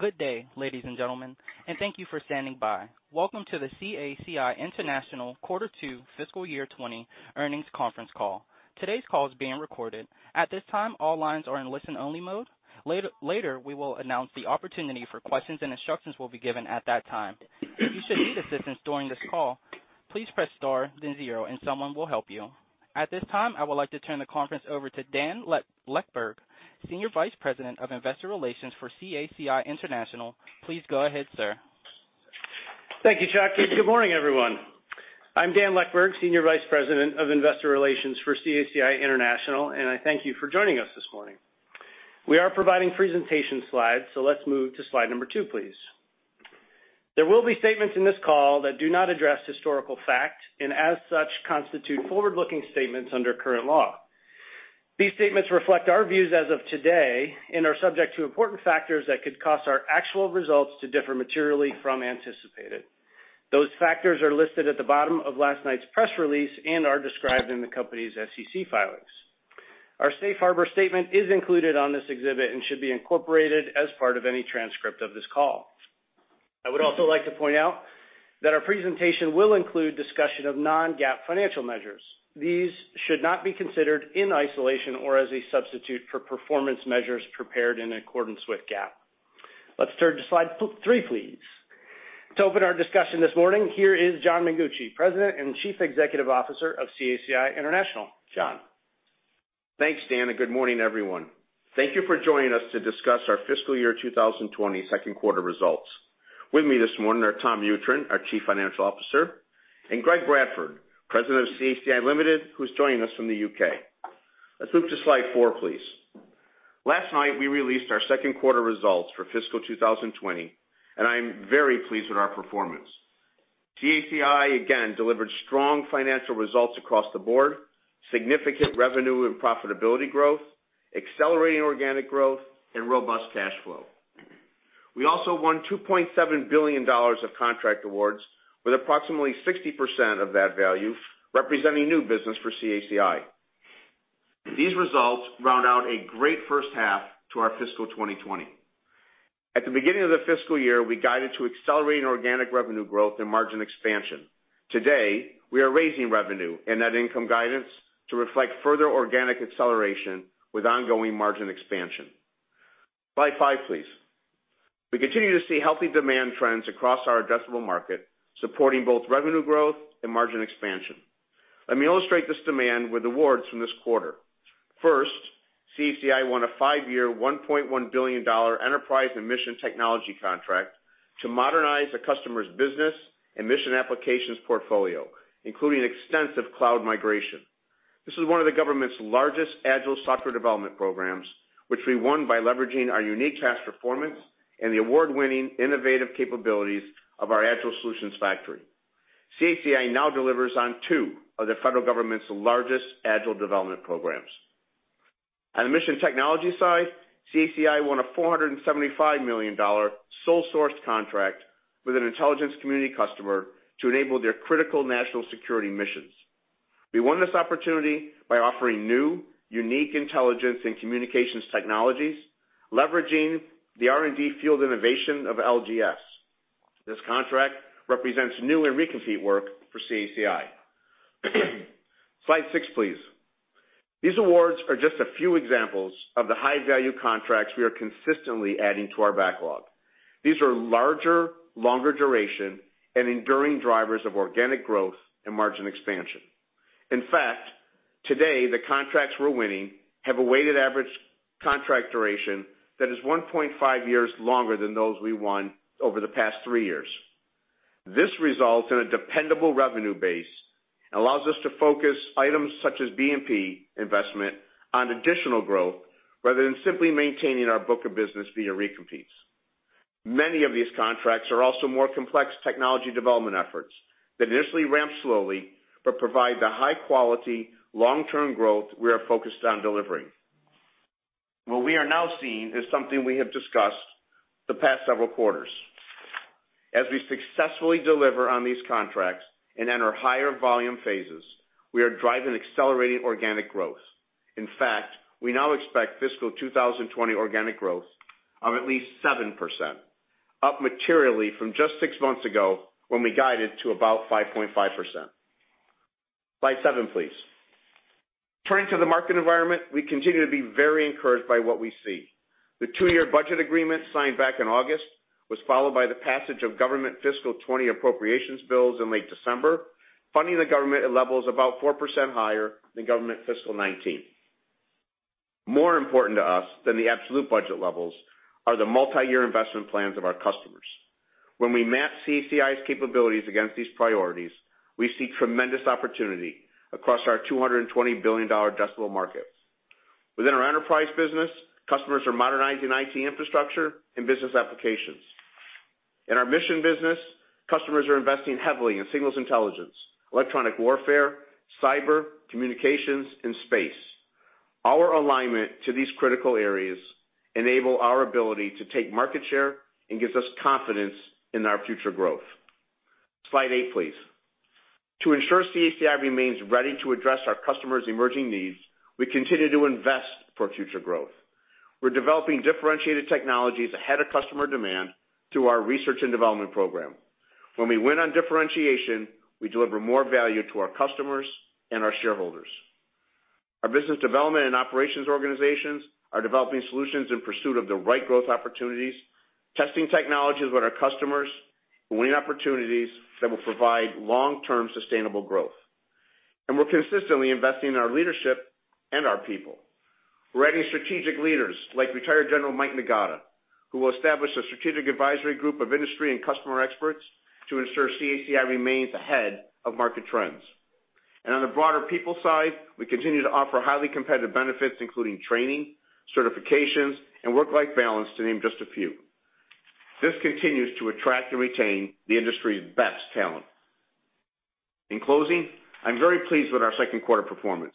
Good day, ladies and gentlemen, and thank you for standing by. Welcome to the CACI International Quarter Two, Fiscal Year 2020 earnings conference call. Today's call is being recorded. At this time, all lines are in listen-only mode. Later we will announce the opportunity for questions, and instructions will be given at that time. If you should need assistance during this call, please press star, then zero, and someone will help you. At this time, I would like to turn the conference over to Dan Leckburg, Senior Vice President of Investor Relations for CACI International. Please go ahead, sir. Thank you, Chuck. Good morning, everyone. I'm Dan Leckburg, Senior Vice President of Investor Relations for CACI International, and I thank you for joining us this morning. We are providing presentation slides, so let's move to slide number two, please. There will be statements in this call that do not address historical fact, and as such, constitute forward-looking statements under current law. These statements reflect our views as of today and are subject to important factors that could cause our actual results to differ materially from anticipated. Those factors are listed at the bottom of last night's press release and are described in the company's SEC filings. Our safe harbor statement is included on this exhibit and should be incorporated as part of any transcript of this call. I would also like to point out that our presentation will include discussion of non-GAAP financial measures. These should not be considered in isolation or as a substitute for performance measures prepared in accordance with GAAP. Let's turn to slide three, please. To open our discussion this morning, here is John Mengucci, President and Chief Executive Officer of CACI International. John. Thanks, Dan, and good morning, everyone. Thank you for joining us to discuss our fiscal year 2020 second quarter results. With me this morning are Tom Mutryn, our Chief Financial Officer, and Greg Bradford, President of CACI Limited, who's joining us from the U.K. Let's move to slide four, please. Last night, we released our second quarter results for fiscal 2020, and I'm very pleased with our performance. CACI, again, delivered strong financial results across the board, significant revenue and profitability growth, accelerating organic growth, and robust cash flow. We also won $2.7 billion of contract awards, with approximately 60% of that value representing new business for CACI. These results round out a great first half to our fiscal 2020. At the beginning of the fiscal year, we guided to accelerating organic revenue growth and margin expansion. Today, we are raising revenue and net income guidance to reflect further organic acceleration with ongoing margin expansion. Slide five, please. We continue to see healthy demand trends across our addressable market, supporting both revenue growth and margin expansion. Let me illustrate this demand with awards from this quarter. First, CACI won a five-year $1.1 billion enterprise and mission technology contract to modernize a customer's business and mission applications portfolio, including extensive cloud migration. This is one of the government's largest Agile software development programs, which we won by leveraging our unique past performance and the award-winning innovative capabilities of our Agile Solutions Factory. CACI now delivers on two of the federal government's largest Agile development programs. On the mission technology side, CACI won a $475 million sole-sourced contract with an intelligence community customer to enable their critical national security missions. We won this opportunity by offering new, unique intelligence and communications technologies, leveraging the R&D field innovation of LGS. This contract represents new and re-compete work for CACI. Slide six, please. These awards are just a few examples of the high-value contracts we are consistently adding to our backlog. These are larger, longer duration, and enduring drivers of organic growth and margin expansion. In fact, today, the contracts we're winning have a weighted average contract duration that is 1.5 years longer than those we won over the past three years. This results in a dependable revenue base and allows us to focus items such as B&P investment on additional growth rather than simply maintaining our book of business via re-competes. Many of these contracts are also more complex technology development efforts that initially ramp slowly but provide the high-quality, long-term growth we are focused on delivering. What we are now seeing is something we have discussed the past several quarters. As we successfully deliver on these contracts and enter higher volume phases, we are driving accelerating organic growth. In fact, we now expect fiscal 2020 organic growth of at least 7%, up materially from just six months ago when we guided to about 5.5%. Slide seven, please. Turning to the market environment, we continue to be very encouraged by what we see. The two-year budget agreement signed back in August was followed by the passage of government fiscal 2020 appropriations bills in late December, funding the government at levels about 4% higher than government fiscal 2019. More important to us than the absolute budget levels are the multi-year investment plans of our customers. When we map CACI's capabilities against these priorities, we see tremendous opportunity across our $220 billion addressable market. Within our enterprise business, customers are modernizing IT infrastructure and business applications. In our mission business, customers are investing heavily in signals intelligence, electronic warfare, cyber, communications, and space. Our alignment to these critical areas enables our ability to take market share and gives us confidence in our future growth. Slide eight, please. To ensure CACI remains ready to address our customers' emerging needs, we continue to invest for future growth. We're developing differentiated technologies ahead of customer demand through our research and development program. When we win on differentiation, we deliver more value to our customers and our shareholders. Our business development and operations organizations are developing solutions in pursuit of the right growth opportunities, testing technologies with our customers, and winning opportunities that will provide long-term sustainable growth, and we're consistently investing in our leadership and our people. We're adding strategic leaders like retired General Mike Nagata, who will establish a strategic advisory group of industry and customer experts to ensure CACI remains ahead of market trends. And on the broader people side, we continue to offer highly competitive benefits, including training, certifications, and work-life balance, to name just a few. This continues to attract and retain the industry's best talent. In closing, I'm very pleased with our second quarter performance.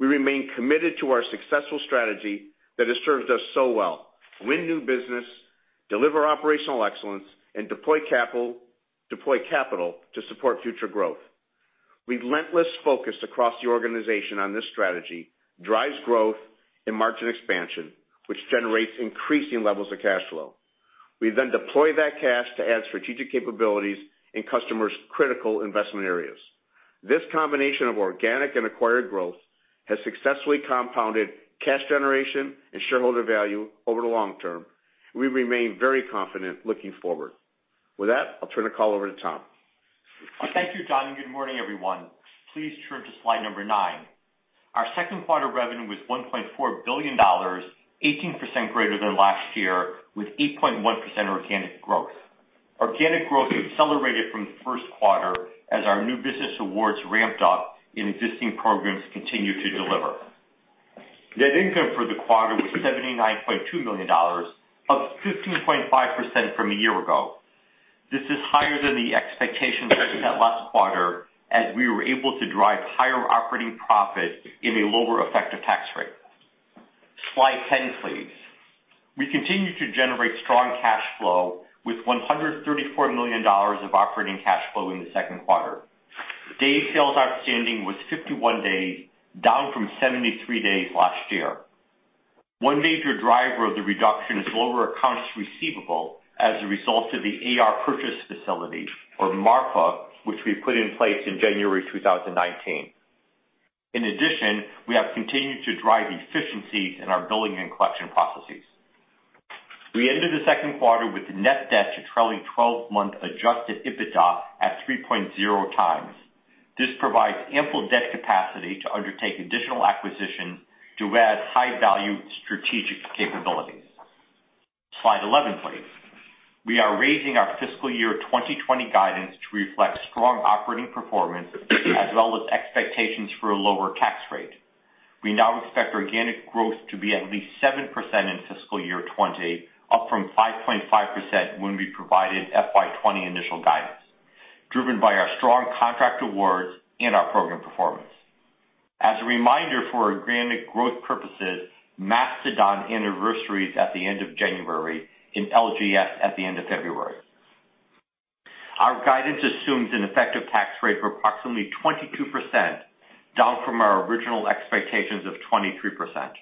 We remain committed to our successful strategy that has served us so well: win new business, deliver operational excellence, and deploy capital to support future growth. We've relentlessly focused across the organization on this strategy, drives growth and margin expansion, which generates increasing levels of cash flow. We then deploy that cash to add strategic capabilities in customers' critical investment areas. This combination of organic and acquired growth has successfully compounded cash generation and shareholder value over the long term. We remain very confident looking forward. With that, I'll turn the call over to Tom. Thank you, John, and good morning, everyone. Please turn to slide number nine. Our second quarter revenue was $1.4 billion, 18% greater than last year, with 8.1% organic growth. Organic growth accelerated from the first quarter as our new business awards ramped up and existing programs continued to deliver. Net income for the quarter was $79.2 million, up 15.5% from a year ago. This is higher than the expectations we set last quarter as we were able to drive higher operating profit in a lower effective tax rate. Slide 10, please. We continue to generate strong cash flow with $134 million of operating cash flow in the second quarter. Days Sales Outstanding was 51 days, down from 73 days last year. One major driver of the reduction is lower accounts receivable as a result of the AR purchase facility, or MARPA, which we put in place in January 2019. In addition, we have continued to drive efficiencies in our billing and collection processes. We ended the second quarter with net debt to trailing 12-month adjusted EBITDA at 3.0 times. This provides ample debt capacity to undertake additional acquisitions to add high-value strategic capabilities. Slide 11, please. We are raising our fiscal year 2020 guidance to reflect strong operating performance as well as expectations for a lower tax rate. We now expect organic growth to be at least 7% in fiscal year 20, up from 5.5% when we provided FY 2020 initial guidance, driven by our strong contract awards and our program performance. As a reminder for organic growth purposes, Mastodon anniversaries at the end of January and LGS at the end of February. Our guidance assumes an effective tax rate of approximately 22%, down from our original expectations of 23%.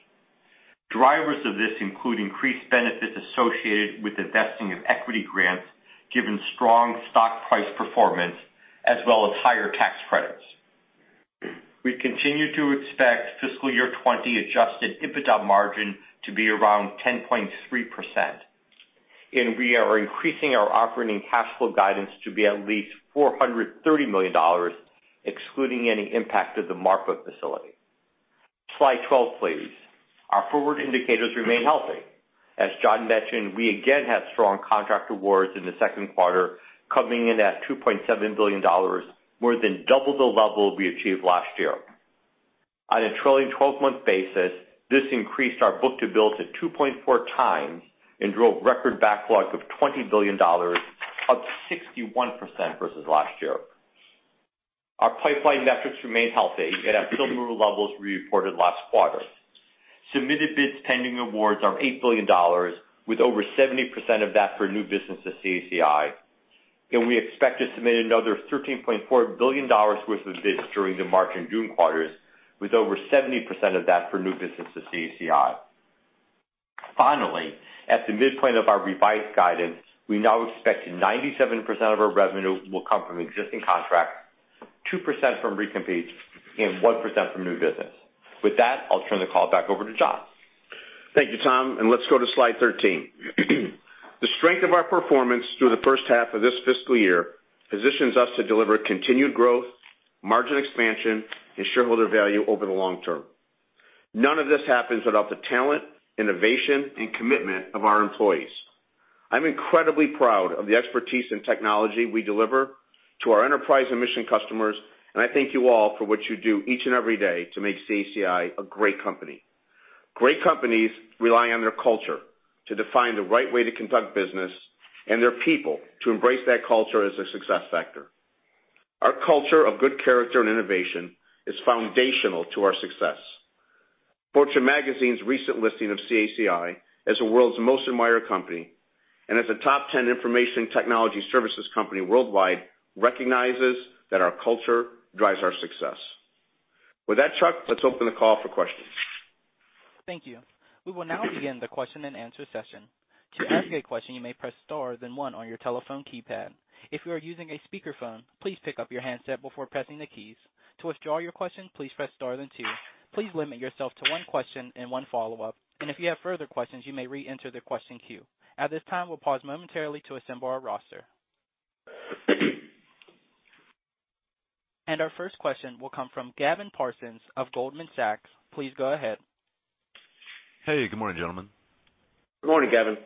Drivers of this include increased benefits associated with investing in equity grants, given strong stock price performance, as well as higher tax credits. We continue to expect fiscal year 2020 Adjusted EBITDA margin to be around 10.3%. And we are increasing our operating cash flow guidance to be at least $430 million, excluding any impact of the MARPA facility. Slide 12, please. Our forward indicators remain healthy. As John mentioned, we again had strong contract awards in the second quarter, coming in at $2.7 billion, more than double the level we achieved last year. On a trailing 12-month basis, this increased our book-to-bill to 2.4 times and drove record backlog of $20 billion, up 61% versus last year. Our pipeline metrics remain healthy and have still moved levels we reported last quarter. Submitted bids pending awards are $8 billion, with over 70% of that for new business to CACI. We expect to submit another $13.4 billion worth of bids during the March and June quarters, with over 70% of that for new business to CACI. Finally, at the midpoint of our revised guidance, we now expect 97% of our revenue will come from existing contracts, 2% from re-competes, and 1% from new business. With that, I'll turn the call back over to John. Thank you, Tom. And let's go to slide 13. The strength of our performance through the first half of this fiscal year positions us to deliver continued growth, margin expansion, and shareholder value over the long term. None of this happens without the talent, innovation, and commitment of our employees. I'm incredibly proud of the expertise and technology we deliver to our enterprise and mission customers, and I thank you all for what you do each and every day to make CACI a great company. Great companies rely on their culture to define the right way to conduct business and their people to embrace that culture as a success factor. Our culture of good character and innovation is foundational to our success. Fortune Magazine's recent listing of CACI as the world's most admired company and as a top 10 information technology services company worldwide recognizes that our culture drives our success. With that, Chuck, let's open the call for questions. Thank you. We will now begin the question and answer session. To ask a question, you may press star then one on your telephone keypad. If you are using a speakerphone, please pick up your handset before pressing the keys. To withdraw your question, please press star then two. Please limit yourself to one question and one follow-up. And if you have further questions, you may re-enter the question queue. At this time, we'll pause momentarily to assemble our roster. And our first question will come from Gavin Parsons of Goldman Sachs. Please go ahead. Hey, good morning, gentlemen. Good morning, Gavin.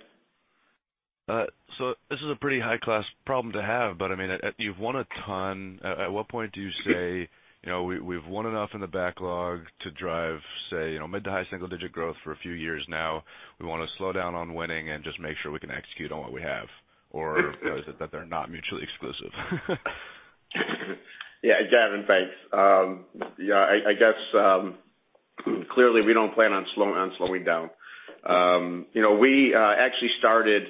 So this is a pretty high-class problem to have, but I mean, you've won a ton. At what point do you say, "We've won enough in the backlog to drive, say, mid to high single-digit growth for a few years now. We want to slow down on winning and just make sure we can execute on what we have"? Or is it that they're not mutually exclusive? Yeah, Gavin, thanks. Yeah, I guess clearly we don't plan on slowing down. We actually started,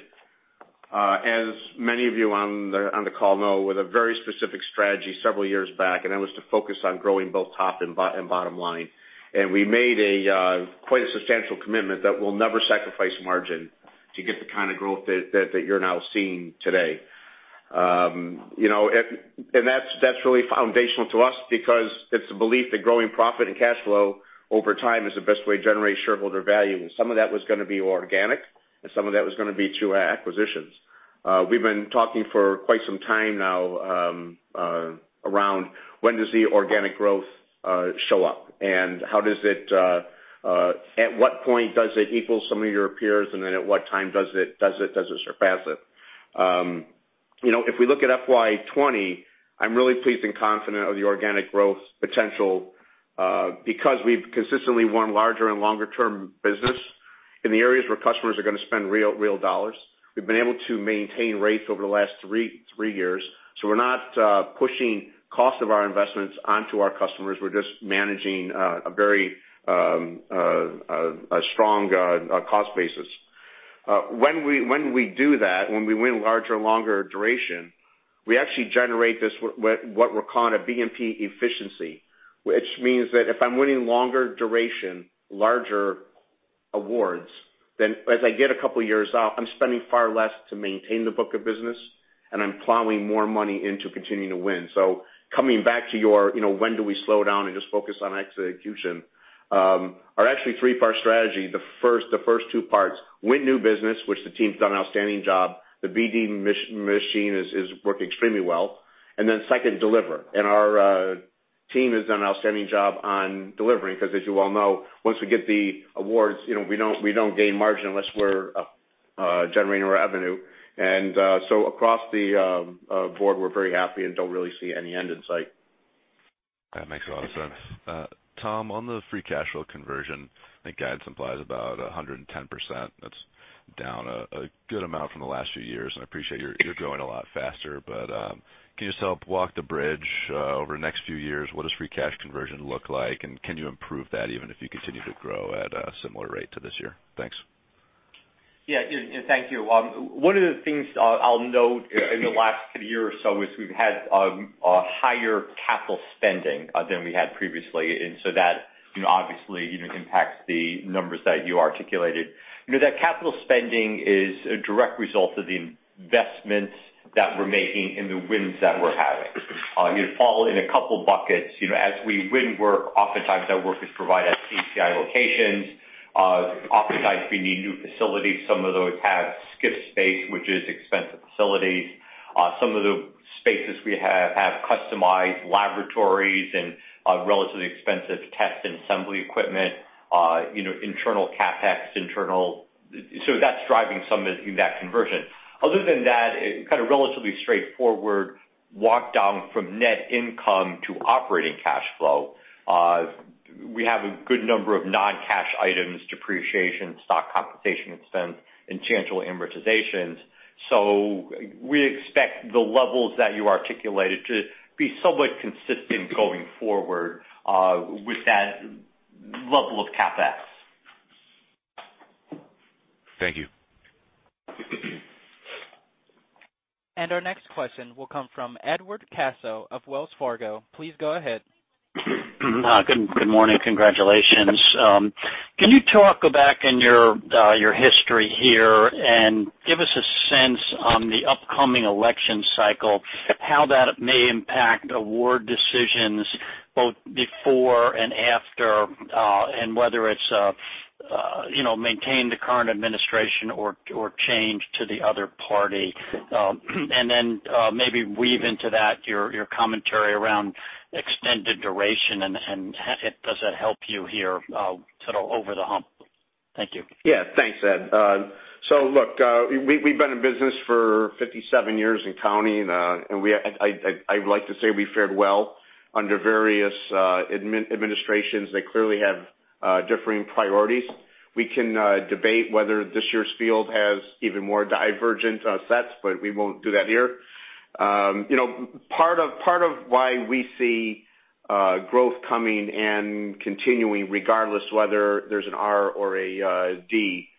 as many of you on the call know, with a very specific strategy several years back, and that was to focus on growing both top and bottom line. And we made quite a substantial commitment that we'll never sacrifice margin to get the kind of growth that you're now seeing today. And that's really foundational to us because it's the belief that growing profit and cash flow over time is the best way to generate shareholder value. And some of that was going to be organic, and some of that was going to be through acquisitions. We've been talking for quite some time now around when does the organic growth show up, and how does it at what point does it equal some of your peers, and then at what time does it surpass it? If we look at FY 2020, I'm really pleased and confident of the organic growth potential because we've consistently won larger and longer-term business in the areas where customers are going to spend real dollars. We've been able to maintain rates over the last three years. So we're not pushing cost of our investments onto our customers. We're just managing a very strong cost basis. When we do that, when we win larger and longer duration, we actually generate what we're calling a B&P efficiency, which means that if I'm winning longer duration, larger awards, then as I get a couple of years out, I'm spending far less to maintain the book of business, and I'm plowing more money into continuing to win. So coming back to your, "When do we slow down and just focus on execution," our actually three-part strategy, the first two parts, win new business, which the team's done an outstanding job. The BD machine is working extremely well. And then second, deliver. And our team has done an outstanding job on delivering because, as you all know, once we get the awards, we don't gain margin unless we're generating revenue. And so across the board, we're very happy and don't really see any end in sight. That makes a lot of sense. Tom, on the free cash flow conversion, I think guidance implies about 110%. That's down a good amount from the last few years, and I appreciate you're growing a lot faster, but can you still walk the bridge over the next few years? What does free cash conversion look like, and can you improve that even if you continue to grow at a similar rate to this year? Thanks. Yeah, thank you. One of the things I'll note in the last year or so is we've had a higher capital spending than we had previously, and so that obviously impacts the numbers that you articulated. That capital spending is a direct result of the investments that we're making and the wins that we're having. It falls in a couple of buckets. As we win work, oftentimes our work is provided at CACI locations. Oftentimes we need new facilities. Some of those have SCIF space, which is expensive facilities. Some of the spaces we have have customized laboratories and relatively expensive test and assembly equipment, internal CapEx, internal so that's driving some of that conversion. Other than that, kind of relatively straightforward, walk down from net income to operating cash flow. We have a good number of non-cash items, depreciation, stock compensation expense, and intangible amortizations. So we expect the levels that you articulated to be somewhat consistent going forward with that level of CapEx. Thank you. And our next question will come from Edward Caso of Wells Fargo. Please go ahead. Good morning. Congratulations. Can you talk back in your history here and give us a sense on the upcoming election cycle, how that may impact award decisions both before and after, and whether it's maintain the current administration or change to the other party? And then maybe weave into that your commentary around extended duration and does that help you here to go over the hump? Thank you. Yeah, thanks, Ed. So look, we've been in business for 57 years and counting, and I'd like to say we fared well under various administrations that clearly have differing priorities. We can debate whether this year's field has even more divergent sets, but we won't do that here. Part of why we see growth coming and continuing regardless whether there's an R or a D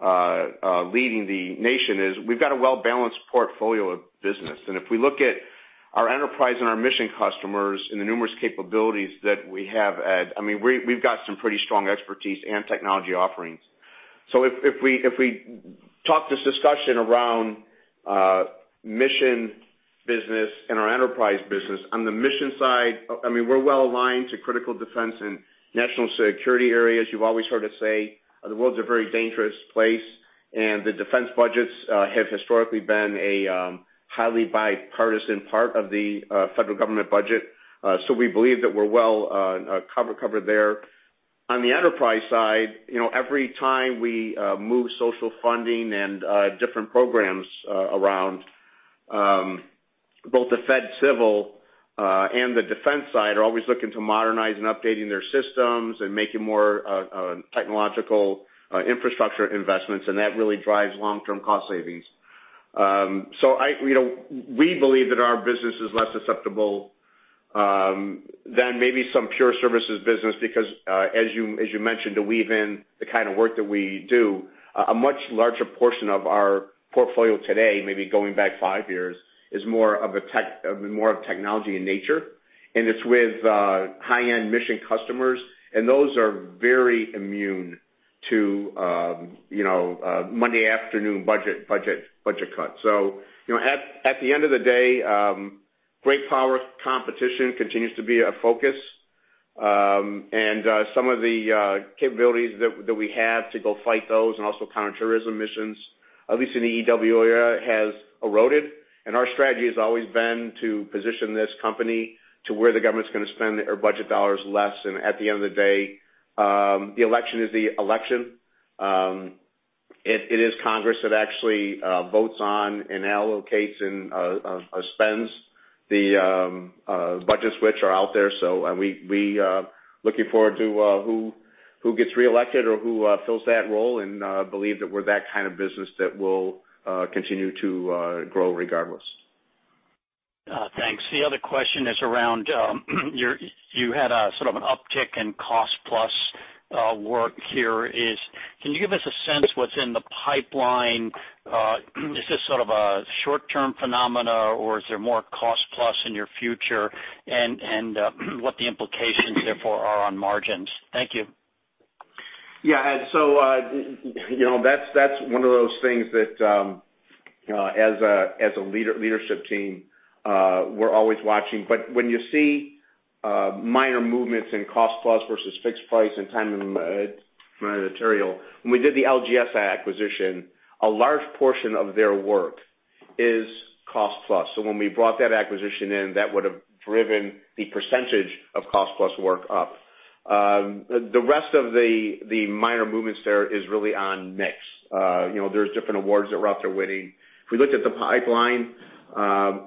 leading the nation is we've got a well-balanced portfolio of business. And if we look at our enterprise and our mission customers and the numerous capabilities that we have, Ed, I mean, we've got some pretty strong expertise and technology offerings. So if we talk this discussion around mission business and our enterprise business, on the mission side, I mean, we're well aligned to critical defense and national security areas. You've always heard us say the world's a very dangerous place, and the defense budgets have historically been a highly bipartisan part of the federal government budget. So we believe that we're well covered there. On the enterprise side, every time we move social funding and different programs around, both the Fed civil and the defense side are always looking to modernize and updating their systems and making more technological infrastructure investments, and that really drives long-term cost savings. So we believe that our business is less susceptible than maybe some pure services business because, as you mentioned, to weave in the kind of work that we do, a much larger portion of our portfolio today, maybe going back five years, is more of technology in nature. And it's with high-end mission customers, and those are very immune to Monday afternoon budget cuts. So at the end of the day, great power competition continues to be a focus. And some of the capabilities that we have to go fight those and also counter-terrorism missions, at least in the EW area, has eroded. And our strategy has always been to position this company to where the government's going to spend their budget dollars less. And at the end of the day, the election is the election. It is Congress that actually votes on and allocates and spends the budgets which are out there. So we're looking forward to who gets re-elected or who fills that role and believe that we're that kind of business that will continue to grow regardless. Thanks. The other question is around you had sort of an uptick in cost-plus work here. Can you give us a sense what's in the pipeline? Is this sort of a short-term phenomenon, or is there more cost-plus in your future and what the implications therefore are on margins? Thank you. Yeah, Ed. So that's one of those things that, as a leadership team, we're always watching. But when you see minor movements in cost-plus versus fixed price and time and material, when we did the LGS acquisition, a large portion of their work is cost-plus. So when we brought that acquisition in, that would have driven the percentage of cost-plus work up. The rest of the minor movements there is really on mix. There's different awards that we're out there winning. If we looked at the pipeline,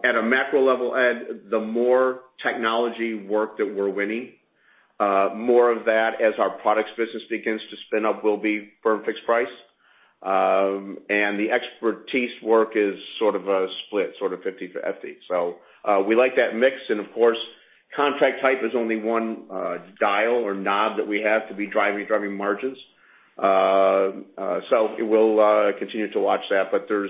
at a macro level, Ed, the more technology work that we're winning, more of that, as our products business begins to spin up, will be firm fixed price. And the expertise work is sort of a split, sort of 50/50. So we like that mix. And of course, contract type is only one dial or knob that we have to be driving margins. So we'll continue to watch that, but there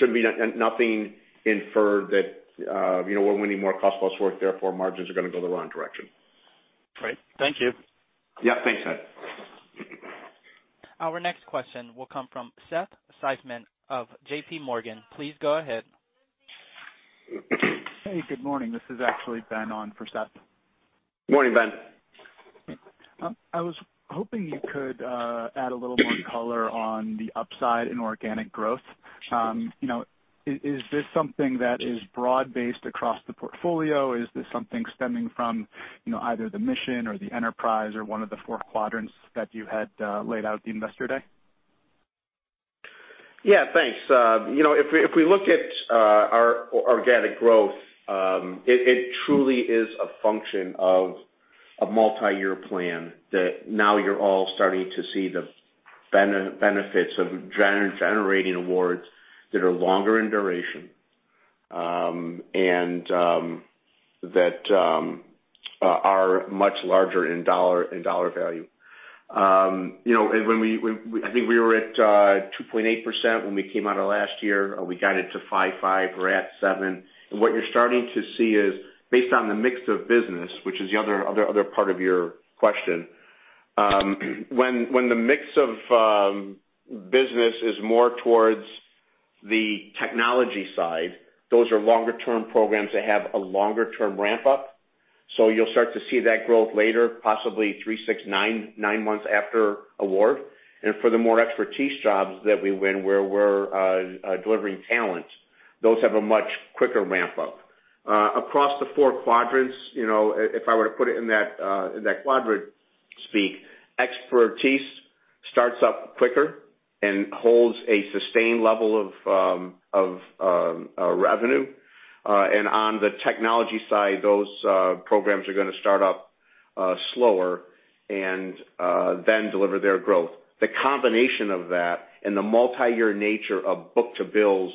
should be nothing inferred that we're winning more cost-plus work. Therefore, margins are going to go the wrong direction. Great. Thank you. Yeah, thanks, Ed. Our next question will come from Seth Seifman of JPMorgan. Please go ahead. Hey, good morning. This is actually Ben on for Seth. Good morning, Ben. I was hoping you could add a little more color on the upside in organic growth. Is this something that is broad-based across the portfolio? Is this something stemming from either the mission or the enterprise or one of the four quadrants that you had laid out the investor day? Yeah, thanks. If we look at our organic growth, it truly is a function of a multi-year plan that now you're all starting to see the benefits of generating awards that are longer in duration and that are much larger in dollar value. And I think we were at 2.8% when we came out of last year. We got it to 5.5%. We're at 7%. And what you're starting to see is, based on the mix of business, which is the other part of your question, when the mix of business is more towards the technology side, those are longer-term programs that have a longer-term ramp-up. So you'll start to see that growth later, possibly three, six, nine months after award. And for the more expertise jobs that we win where we're delivering talent, those have a much quicker ramp-up. Across the four quadrants, if I were to put it in that quadrant speak, expertise starts up quicker and holds a sustained level of revenue, and on the technology side, those programs are going to start up slower and then deliver their growth. The combination of that and the multi-year nature of book-to-bill,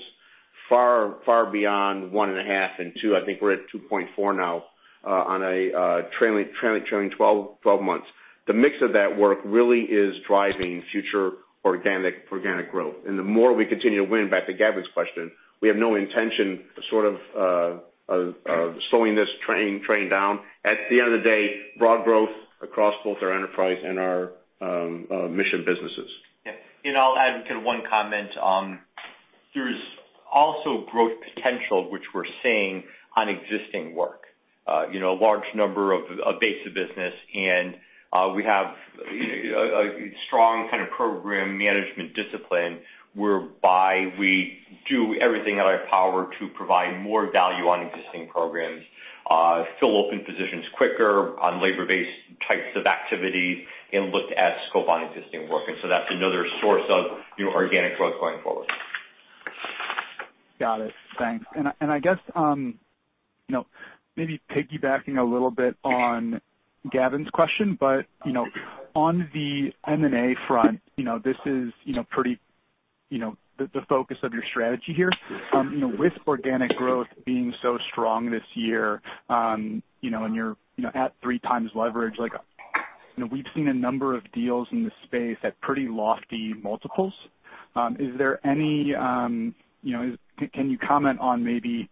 far beyond one and a half and two, I think we're at 2.4 now on a trailing 12 months. The mix of that work really is driving future organic growth. And the more we continue to win back to Gavin's question, we have no intention sort of slowing this train down. At the end of the day, broad growth across both our enterprise and our mission businesses. Yeah. And I'll add one comment. There's also growth potential, which we're seeing on existing work, a large number of basic business. And we have a strong kind of program management discipline whereby we do everything at our power to provide more value on existing programs, fill open positions quicker on labor-based types of activities, and look at scope on existing work. And so that's another source of organic growth going forward. Got it. Thanks. And I guess maybe piggybacking a little bit on Gavin's question, but on the M&A front, this is pretty the focus of your strategy here. With organic growth being so strong this year and you're at three times leverage, we've seen a number of deals in the space at pretty lofty multiples. Is there any can you comment on maybe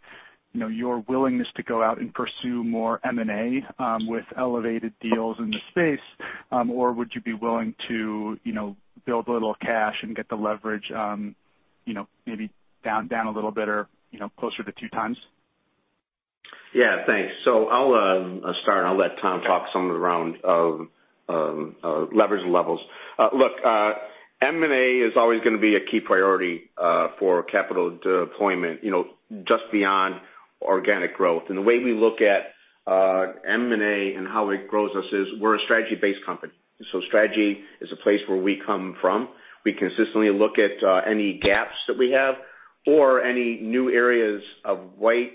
your willingness to go out and pursue more M&A with elevated deals in the space, or would you be willing to build a little cash and get the leverage maybe down a little bit or closer to two times? Yeah, thanks. So I'll start, and I'll let Tom talk some of the leverage levels. Look, M&A is always going to be a key priority for capital deployment just beyond organic growth. And the way we look at M&A and how it grows us is we're a strategy-based company. So strategy is a place where we come from. We consistently look at any gaps that we have or any new areas of white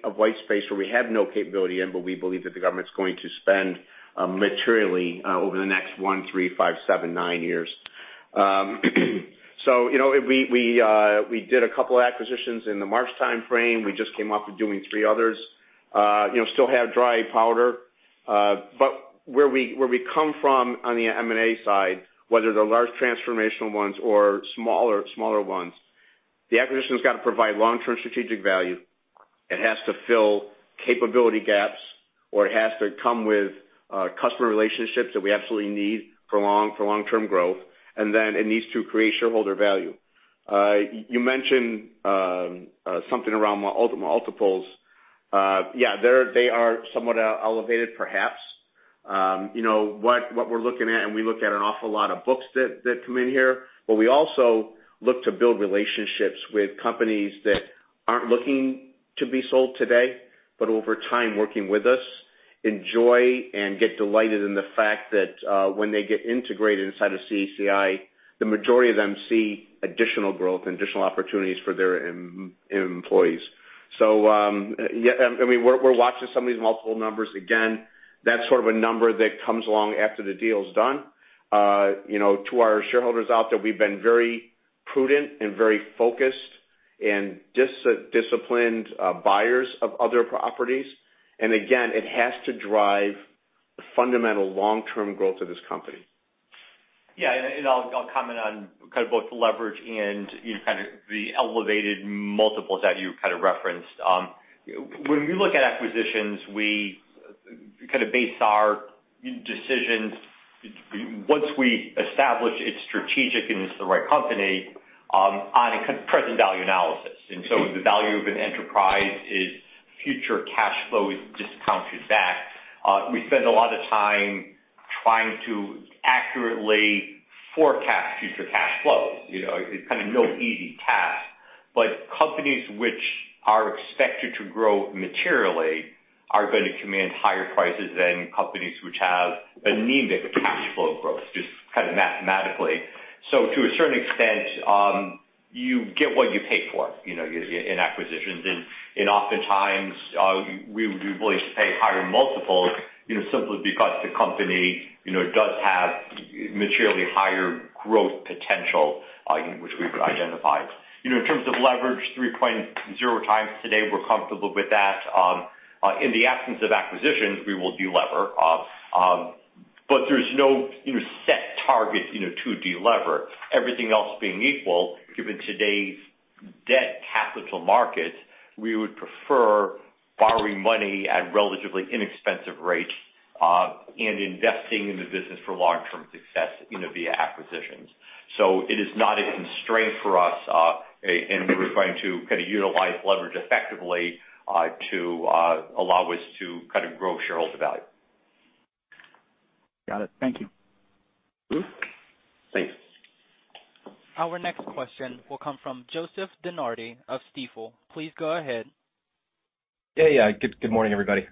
space where we have no capability in, but we believe that the government's going to spend materially over the next one, three, five, seven, nine years. So we did a couple of acquisitions in the March timeframe. We just came off of doing three others. Still have dry powder. But where we come from on the M&A side, whether they're large transformational ones or smaller ones, the acquisition has got to provide long-term strategic value. It has to fill capability gaps, or it has to come with customer relationships that we absolutely need for long-term growth. And then it needs to create shareholder value. You mentioned something around multi multiples. Yeah, they are somewhat elevated, perhaps. What we're looking at, and we look at an awful lot of books that come in here, but we also look to build relationships with companies that aren't looking to be sold today, but over time working with us, enjoy and get delighted in the fact that when they get integrated inside of CACI, the majority of them see additional growth and additional opportunities for their employees. So I mean, we're watching some of these multiple numbers. Again, that's sort of a number that comes along after the deal's done. To our shareholders out there, we've been very prudent and very focused and disciplined buyers of other properties. Again, it has to drive fundamental long-term growth of this company. Yeah. And I'll comment on kind of both leverage and kind of the elevated multiples that you kind of referenced. When we look at acquisitions, we kind of base our decisions once we establish it's strategic and it's the right company on a present value analysis. And so the value of an enterprise is future cash flows discounted back. We spend a lot of time trying to accurately forecast future cash flows. It's kind of no easy task. But companies which are expected to grow materially are going to command higher prices than companies which have anemic cash flow growth, just kind of mathematically. So to a certain extent, you get what you pay for in acquisitions. And oftentimes, we would be willing to pay higher multiples simply because the company does have materially higher growth potential, which we've identified. In terms of leverage, 3.0 times today, we're comfortable with that. In the absence of acquisitions, we will deliver. But there's no set target to deliver. Everything else being equal, given today's debt capital markets, we would prefer borrowing money at relatively inexpensive rates and investing in the business for long-term success via acquisitions. So it is not a constraint for us, and we're going to kind of utilize leverage effectively to allow us to kind of grow shareholder value. Got it. Thank you. Thanks. Our next question will come from Joseph DeNardi of Stifel. Please go ahead. Yeah, yeah. Good morning, everybody.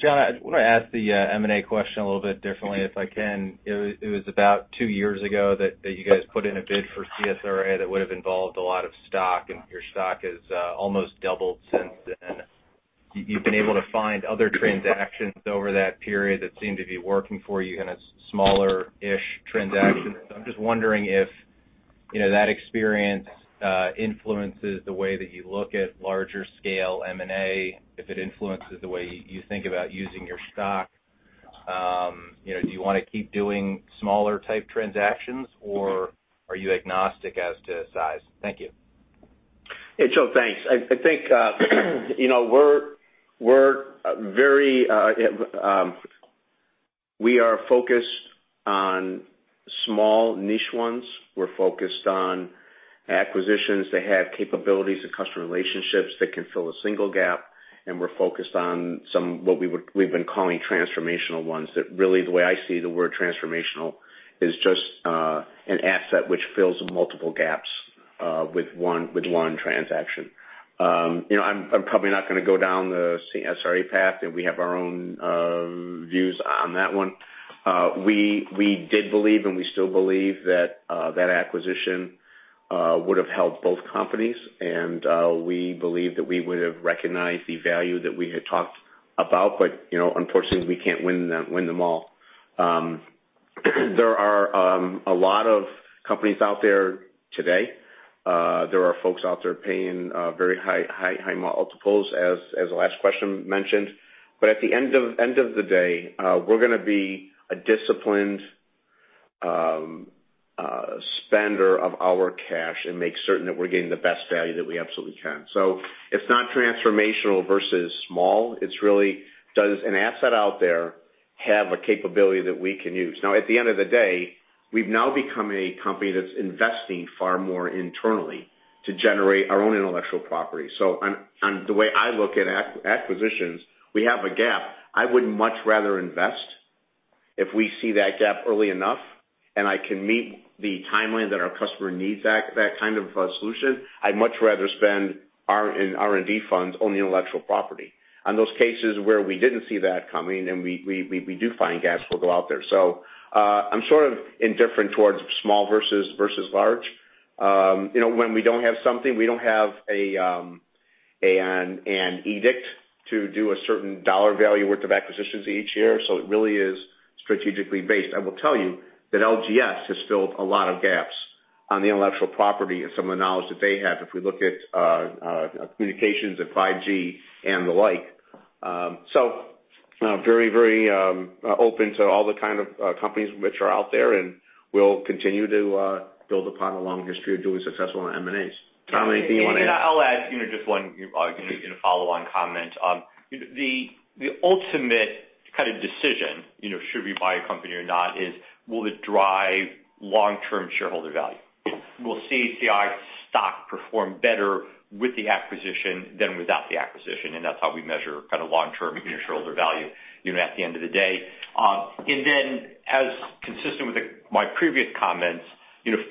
John, I want to ask the M&A question a little bit differently if I can. It was about two years ago that you guys put in a bid for CSRA that would have involved a lot of stock, and your stock has almost doubled since then. You've been able to find other transactions over that period that seem to be working for you in a smaller-ish transaction. So I'm just wondering if that experience influences the way that you look at larger scale M&A, if it influences the way you think about using your stock. Do you want to keep doing smaller-type transactions, or are you agnostic as to size? Thank you. Hey, Joe, thanks. I think we're very focused on small niche ones. We're focused on acquisitions that have capabilities and customer relationships that can fill a single gap. And we're focused on what we've been calling transformational ones that really, the way I see the word transformational is just an asset which fills multiple gaps with one transaction. I'm probably not going to go down the CSRA path, and we have our own views on that one. We did believe, and we still believe, that that acquisition would have helped both companies, and we believe that we would have recognized the value that we had talked about. But unfortunately, we can't win them all. There are a lot of companies out there today. There are folks out there paying very high multiples as the last question mentioned. But at the end of the day, we're going to be a disciplined spender of our cash and make certain that we're getting the best value that we absolutely can. So it's not transformational versus small. It's really, does an asset out there have a capability that we can use? Now, at the end of the day, we've now become a company that's investing far more internally to generate our own intellectual property. So the way I look at acquisitions, we have a gap. I would much rather invest if we see that gap early enough, and I can meet the timeline that our customer needs that kind of solution. I'd much rather spend our R&D funds on the intellectual property. On those cases where we didn't see that coming, and we do find gaps, we'll go out there. So I'm sort of indifferent towards small versus large. When we don't have something, we don't have an edict to do a certain dollar value worth of acquisitions each year. So it really is strategically based. I will tell you that LGS has filled a lot of gaps on the intellectual property and some of the knowledge that they have if we look at communications and 5G and the like. So very, very open to all the kind of companies which are out there, and we'll continue to build upon a long history of doing successful M&As. Tom, anything you want to add? I'll add just one follow-on comment. The ultimate kind of decision, should we buy a company or not, is will it drive long-term shareholder value? Will CACI stock perform better with the acquisition than without the acquisition? And that's how we measure kind of long-term shareholder value at the end of the day. And then, as consistent with my previous comments,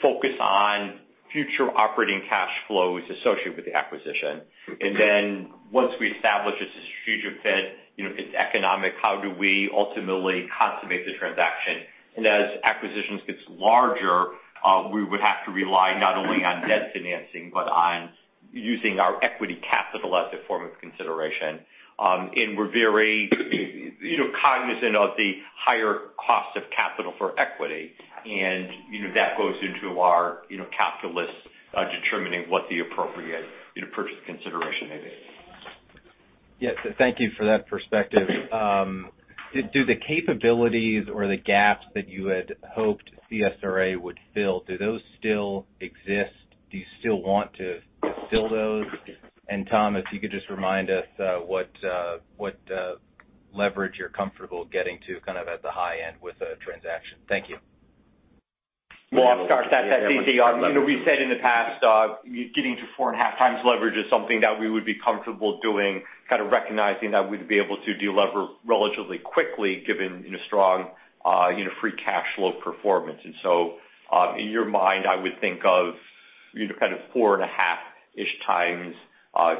focus on future operating cash flows associated with the acquisition. And then once we establish it's a strategic fit, it's economic, how do we ultimately consummate the transaction? And as acquisitions get larger, we would have to rely not only on debt financing but on using our equity capital as a form of consideration. And we're very cognizant of the higher cost of capital for equity, and that goes into our calculus determining what the appropriate purchase consideration may be. Yes. Thank you for that perspective. Do the capabilities or the gaps that you had hoped CSRA would fill, do those still exist? Do you still want to fill those? And Tom, if you could just remind us what leverage you're comfortable getting to kind of at the high end with a transaction. Thank you. I'll start that. We've said in the past, getting to four and a half times leverage is something that we would be comfortable doing, kind of recognizing that we'd be able to deliver relatively quickly given strong free cash flow performance. And so in your mind, I would think of kind of four and a half-ish times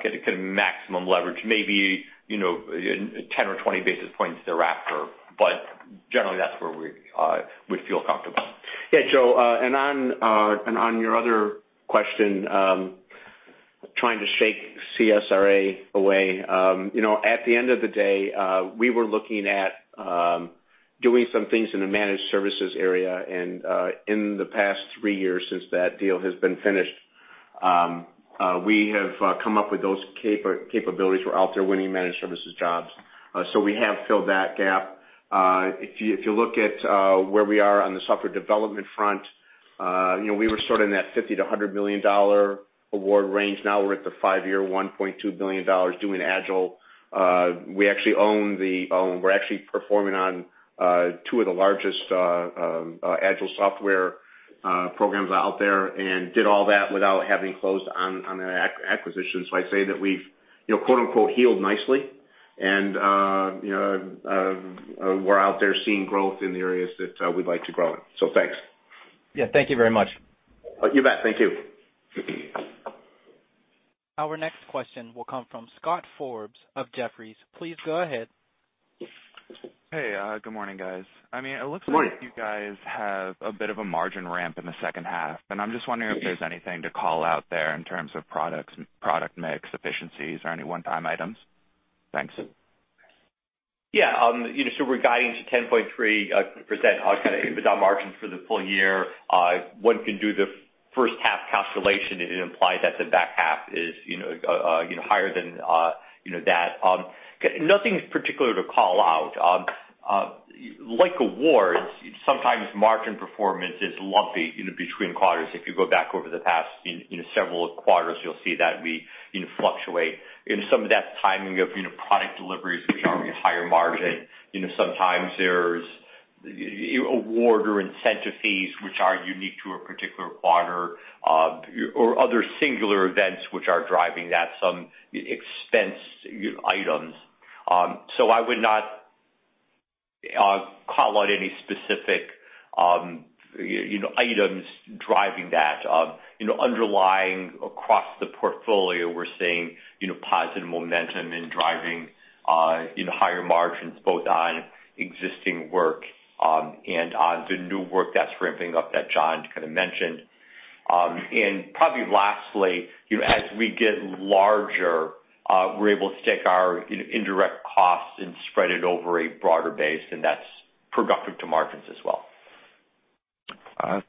getting kind of maximum leverage, maybe 10 or 20 basis points thereafter. But generally, that's where we would feel comfortable. Yeah, Joe. And on your other question, trying to shake CSRA away, at the end of the day, we were looking at doing some things in the managed services area. And in the past three years since that deal has been finished, we have come up with those capabilities. We're out there winning managed services jobs. So we have filled that gap. If you look at where we are on the software development front, we were sort of in that $50-$100 million award range. Now we're at the five-year, $1.2 billion doing agile. We're actually performing on two of the largest agile software programs out there and did all that without having closed on an acquisition. So I'd say that we've "healed nicely," and we're out there seeing growth in the areas that we'd like to grow in. So thanks. Yeah. Thank you very much. You bet. Thank you. Our next question will come from Scott Forbes of Jefferies. Please go ahead. Hey. Good morning, guys. I mean, it looks like you guys have a bit of a margin ramp in the second half. And I'm just wondering if there's anything to call out there in terms of product mix, efficiencies, or any one-time items? Thanks. Yeah. So we're guiding to 10.3% kind of inbound margin for the full year. One can do the first half calculation and imply that the back half is higher than that. Nothing particular to call out. Like awards, sometimes margin performance is lumpy between quarters. If you go back over the past several quarters, you'll see that we fluctuate. And some of that's timing of product deliveries, which are a higher margin. Sometimes there's award or incentive fees, which are unique to a particular quarter, or other singular events which are driving that, some expense items. So I would not call out any specific items driving that. Underlying across the portfolio, we're seeing positive momentum in driving higher margins both on existing work and on the new work that's ramping up that John kind of mentioned. Probably lastly, as we get larger, we're able to take our indirect costs and spread it over a broader base, and that's productive to margins as well.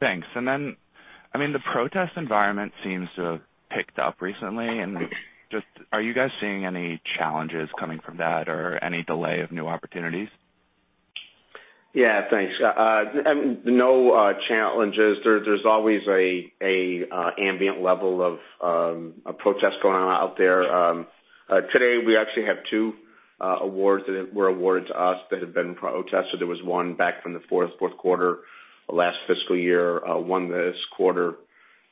Thanks. And then, I mean, the protest environment seems to have picked up recently. And just are you guys seeing any challenges coming from that or any delay of new opportunities? Yeah. Thanks. No challenges. There's always an ambient level of protest going on out there. Today, we actually have two awards that were awarded to us that have been protested. There was one back from the fourth quarter last fiscal year, one this quarter.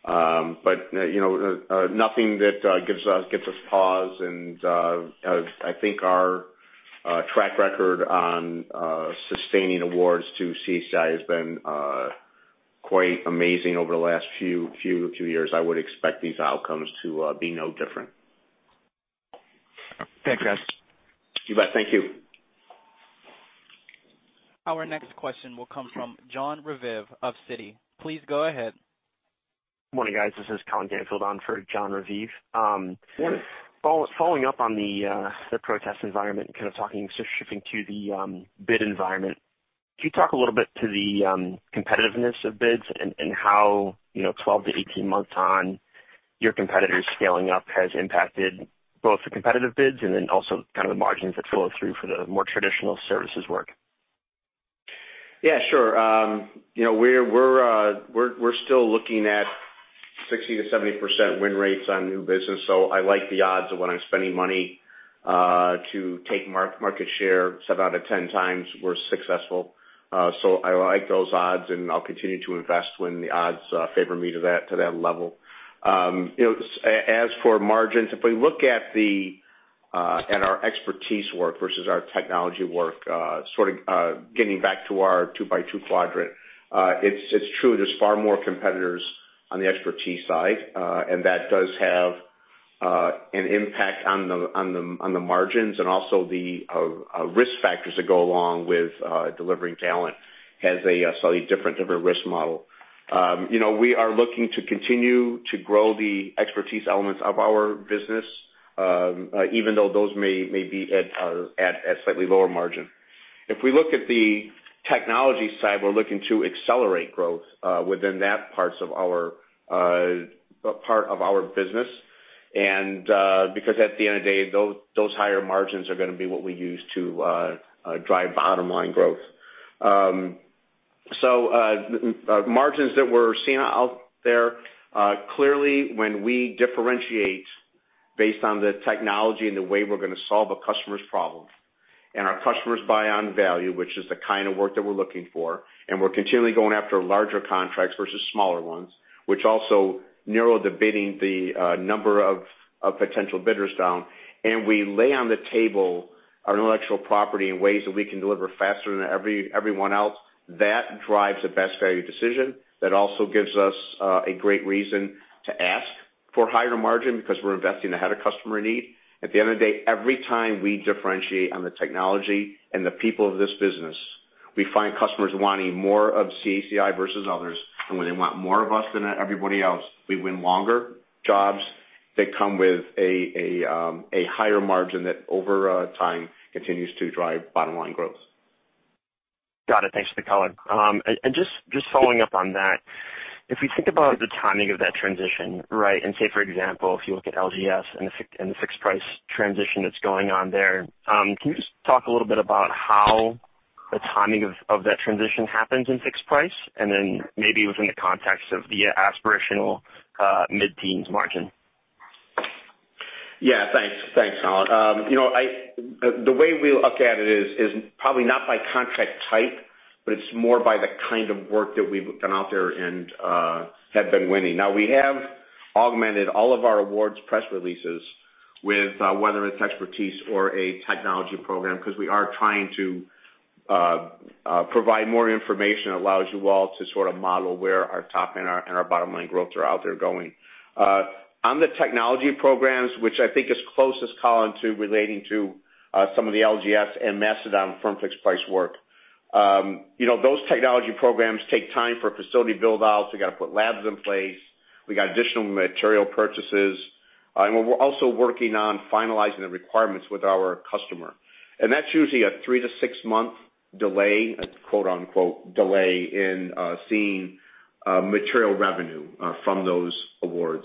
But nothing that gets us paused. And I think our track record on sustaining awards to CACI has been quite amazing over the last few years. I would expect these outcomes to be no different. Thanks, guys. You bet. Thank you. Our next question will come from Jon Raviv of Citi. Please go ahead. Morning, guys. This is Colin Canfield on for Jon Raviv. Following up on the protest environment and kind of talking shifting to the bid environment, can you talk a little bit to the competitiveness of bids and how 12-18 months on your competitors scaling up has impacted both the competitive bids and then also kind of the margins that flow through for the more traditional services work? Yeah, sure. We're still looking at 60%-70% win rates on new business. So I like the odds of when I'm spending money to take market share seven out of 10 times, we're successful. So I like those odds, and I'll continue to invest when the odds favor me to that level. As for margins, if we look at our expertise work versus our technology work, sort of getting back to our two-by-two quadrant, it's true there's far more competitors on the expertise side. And that does have an impact on the margins and also the risk factors that go along with delivering talent as a slightly different risk model. We are looking to continue to grow the expertise elements of our business, even though those may be at a slightly lower margin. If we look at the technology side, we're looking to accelerate growth within that part of our business. And because at the end of the day, those higher margins are going to be what we use to drive bottom-line growth. So margins that we're seeing out there, clearly, when we differentiate based on the technology and the way we're going to solve a customer's problem and our customers buy on value, which is the kind of work that we're looking for, and we're continually going after larger contracts versus smaller ones, which also narrow the bidding, the number of potential bidders down, and we lay on the table our intellectual property in ways that we can deliver faster than everyone else, that drives a best value decision that also gives us a great reason to ask for higher margin because we're investing ahead of customer need. At the end of the day, every time we differentiate on the technology and the people of this business, we find customers wanting more of CACI versus others, and when they want more of us than everybody else, we win longer jobs that come with a higher margin that over time continues to drive bottom-line growth. Got it. Thanks for the color. And just following up on that, if we think about the timing of that transition, right, and say, for example, if you look at LGS and the fixed-price transition that's going on there, can you just talk a little bit about how the timing of that transition happens in fixed price and then maybe within the context of the aspirational mid-teens margin? Yeah. Thanks. Thanks, Colin. The way we look at it is probably not by contract type, but it's more by the kind of work that we've done out there and have been winning. Now, we have augmented all of our awards press releases with whether it's expertise or a technology program because we are trying to provide more information that allows you all to sort of model where our top and our bottom-line growth are out there going. On the technology programs, which I think is closest, Colin, to relating to some of the LGS and Mastodon firm-fixed-price work, those technology programs take time for facility build-outs. We got to put labs in place. We got additional material purchases. And we're also working on finalizing the requirements with our customer. And that's usually a three- to six-month delay, quote-unquote, delay in seeing material revenue from those awards.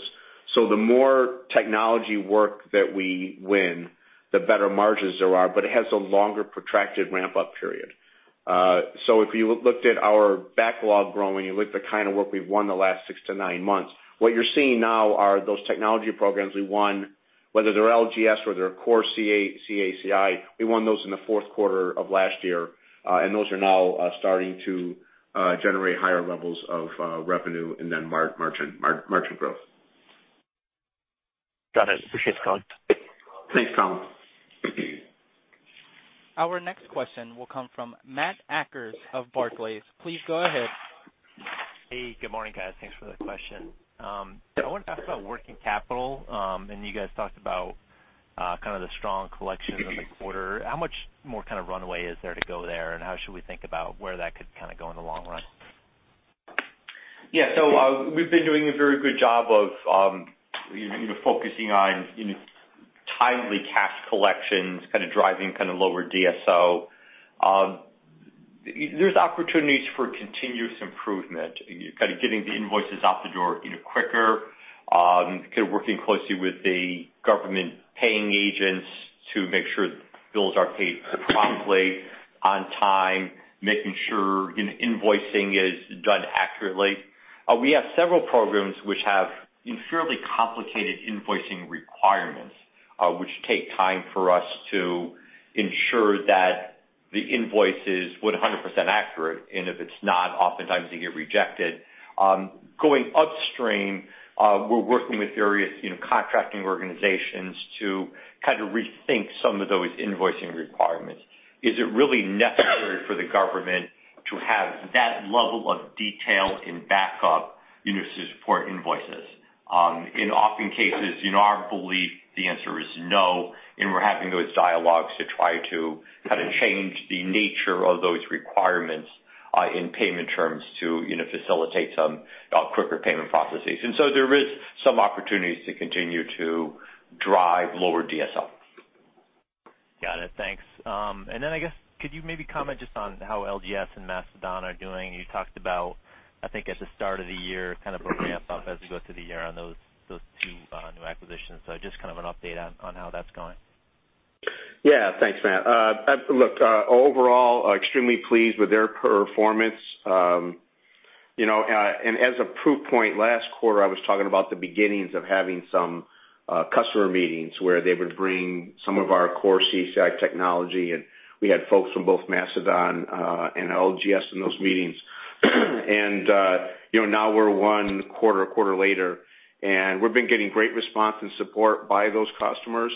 So the more technology work that we win, the better margins there are, but it has a longer protracted ramp-up period. So if you looked at our backlog growing, you looked at the kind of work we've won the last six to nine months, what you're seeing now are those technology programs we won, whether they're LGS or they're core CACI, we won those in the fourth quarter of last year. And those are now starting to generate higher levels of revenue and then margin growth. Got it. Appreciate it, Colin. Thanks, Colin. Our next question will come from Matt Akers of Barclays. Please go ahead. Hey. Good morning, guys. Thanks for the question. I wanted to ask about working capital, and you guys talked about kind of the strong collection of the quarter. How much more kind of runway is there to go there, and how should we think about where that could kind of go in the long run? Yeah. So we've been doing a very good job of focusing on timely cash collections, kind of driving kind of lower DSO. There's opportunities for continuous improvement, kind of getting the invoices out the door quicker, kind of working closely with the government paying agents to make sure bills are paid promptly on time, making sure invoicing is done accurately. We have several programs which have fairly complicated invoicing requirements, which take time for us to ensure that the invoice is 100% accurate. And if it's not, oftentimes they get rejected. Going upstream, we're working with various contracting organizations to kind of rethink some of those invoicing requirements. Is it really necessary for the government to have that level of detail in backup to support invoices? In often cases, our belief, the answer is no. And we're having those dialogues to try to kind of change the nature of those requirements in payment terms to facilitate some quicker payment processes. And so there is some opportunities to continue to drive lower DSO. Got it. Thanks. And then I guess, could you maybe comment just on how LGS and Mastodon are doing? You talked about, I think at the start of the year, kind of a ramp-up as we go through the year on those two new acquisitions. So just kind of an update on how that's going. Yeah. Thanks, Matt. Look, overall, extremely pleased with their performance. And as a proof point, last quarter, I was talking about the beginnings of having some customer meetings where they would bring some of our core CACI technology. And we had folks from both Mastodon and LGS in those meetings. And now we're one quarter, a quarter later. And we've been getting great response and support by those customers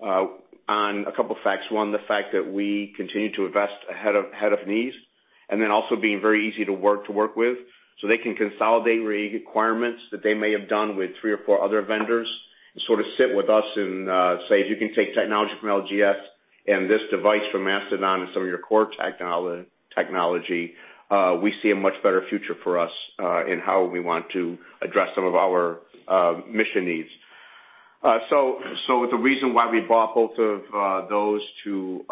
on a couple of facts. One, the fact that we continue to invest ahead of needs and then also being very easy to work with so they can consolidate requirements that they may have done with three or four other vendors and sort of sit with us and say, "If you can take technology from LGS and this device from Mastodon and some of your core technology, we see a much better future for us in how we want to address some of our mission needs." So the reason why we bought both of those to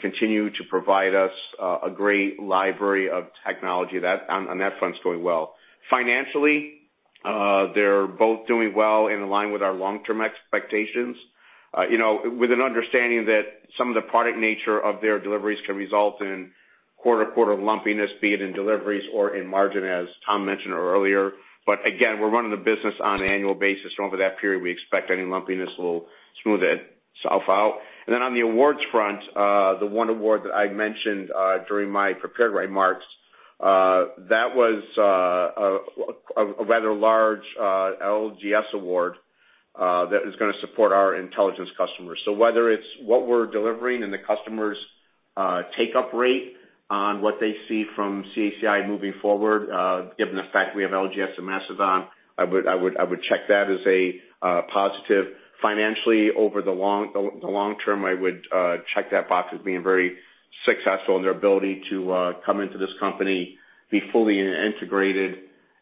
continue to provide us a great library of technology, on that front, it's going well. Financially, they're both doing well in line with our long-term expectations with an understanding that some of the product nature of their deliveries can result in quarter-to-quarter lumpiness, be it in deliveries or in margin, as Tom mentioned earlier. But again, we're running the business on an annual basis. Over that period, we expect any lumpiness will smooth itself out. And then on the awards front, the one award that I mentioned during my prepared remarks, that was a rather large LGS award that is going to support our intelligence customers. So whether it's what we're delivering and the customer's take-up rate on what they see from CACI moving forward, given the fact we have LGS and Mastodon, I would check that as a positive. Financially, over the long term, I would check that box as being very successful in their ability to come into this company, be fully integrated,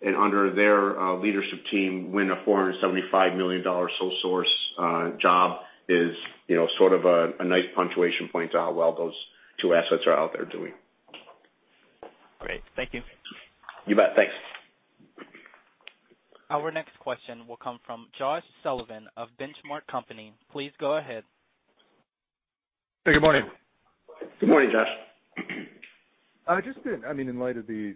and under their leadership team, win a $475 million sole source job is sort of a nice punctuation point to how well those two assets are out there doing. Great. Thank you. You bet. Thanks. Our next question will come from Josh Sullivan of Benchmark Company. Please go ahead. Hey. Good morning. Good morning, Josh. Just in, I mean, in light of the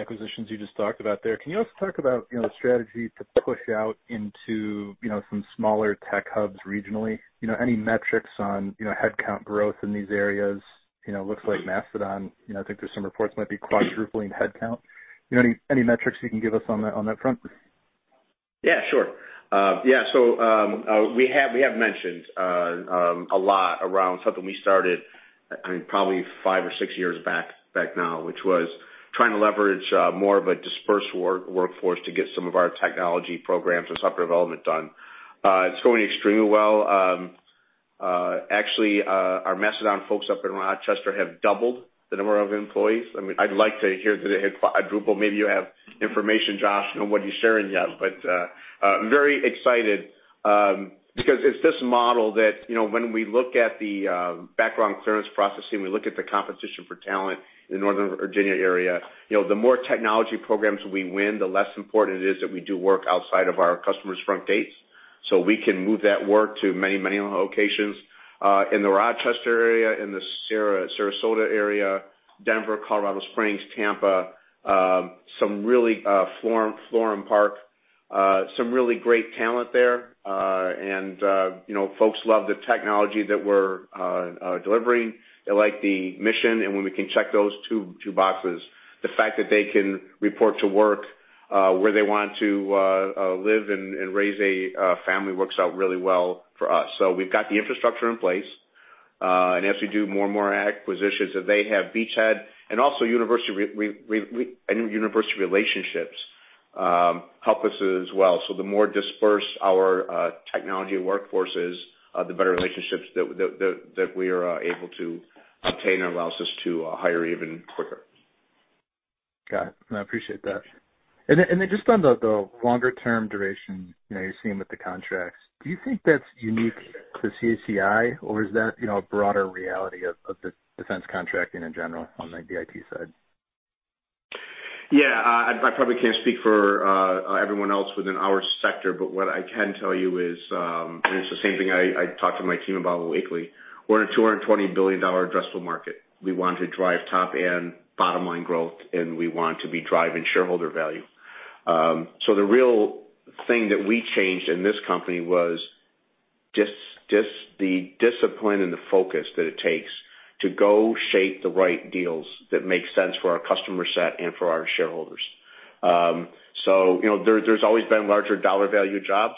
acquisitions you just talked about there, can you also talk about the strategy to push out into some smaller tech hubs regionally? Any metrics on headcount growth in these areas? Looks like Mastodon, I think there's some reports might be quadrupling headcount. Any metrics you can give us on that front? Yeah. Sure. Yeah. So we have mentioned a lot around something we started, I mean, probably five or six years back now, which was trying to leverage more of a dispersed workforce to get some of our technology programs and software development done. It's going extremely well. Actually, our Mastodon folks up in Rochester have doubled the number of employees. I mean, I'd like to hear that it had quadrupled. Maybe you have information, Josh, on what you're sharing yet, but I'm very excited because it's this model that when we look at the background clearance processing, we look at the competition for talent in the Northern Virginia area, the more technology programs we win, the less important it is that we do work outside of our customers' front gates. So we can move that work to many, many locations in the Rochester area, in the Sarasota area, Denver, Colorado Springs, Tampa, some really Florham Park, some really great talent there, and folks love the technology that we're delivering. They like the mission, and when we can check those two boxes, the fact that they can report to work where they want to live and raise a family works out really well for us. So we've got the infrastructure in place, and as we do more and more acquisitions, they have beachhead and also university relationships help us as well. So the more dispersed our technology workforce is, the better relationships that we are able to obtain and allows us to hire even quicker. Got it. I appreciate that. And then just on the longer-term duration you're seeing with the contracts, do you think that's unique to CACI, or is that a broader reality of the defense contracting in general on the DIT side? Yeah. I probably can't speak for everyone else within our sector, but what I can tell you is, and it's the same thing I talk to my team about weekly, we're in a $220 billion addressable market. We want to drive top-end bottom-line growth, and we want to be driving shareholder value. So the real thing that we changed in this company was the discipline and the focus that it takes to go shape the right deals that make sense for our customer set and for our shareholders. So there's always been larger dollar value jobs.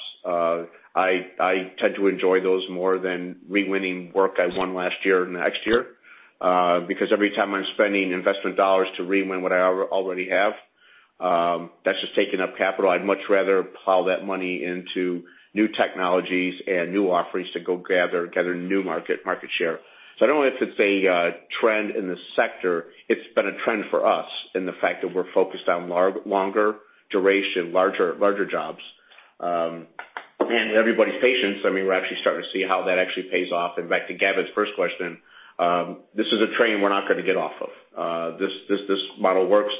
I tend to enjoy those more than re-winning work I won last year and next year because every time I'm spending investment dollars to re-win what I already have, that's just taking up capital. I'd much rather plow that money into new technologies and new offerings to go gather new market share. So I don't know if it's a trend in the sector. It's been a trend for us in the fact that we're focused on longer duration, larger jobs. And everybody's patience, I mean, we're actually starting to see how that actually pays off. And back to Gavin's first question, this is a train we're not going to get off of. This model works.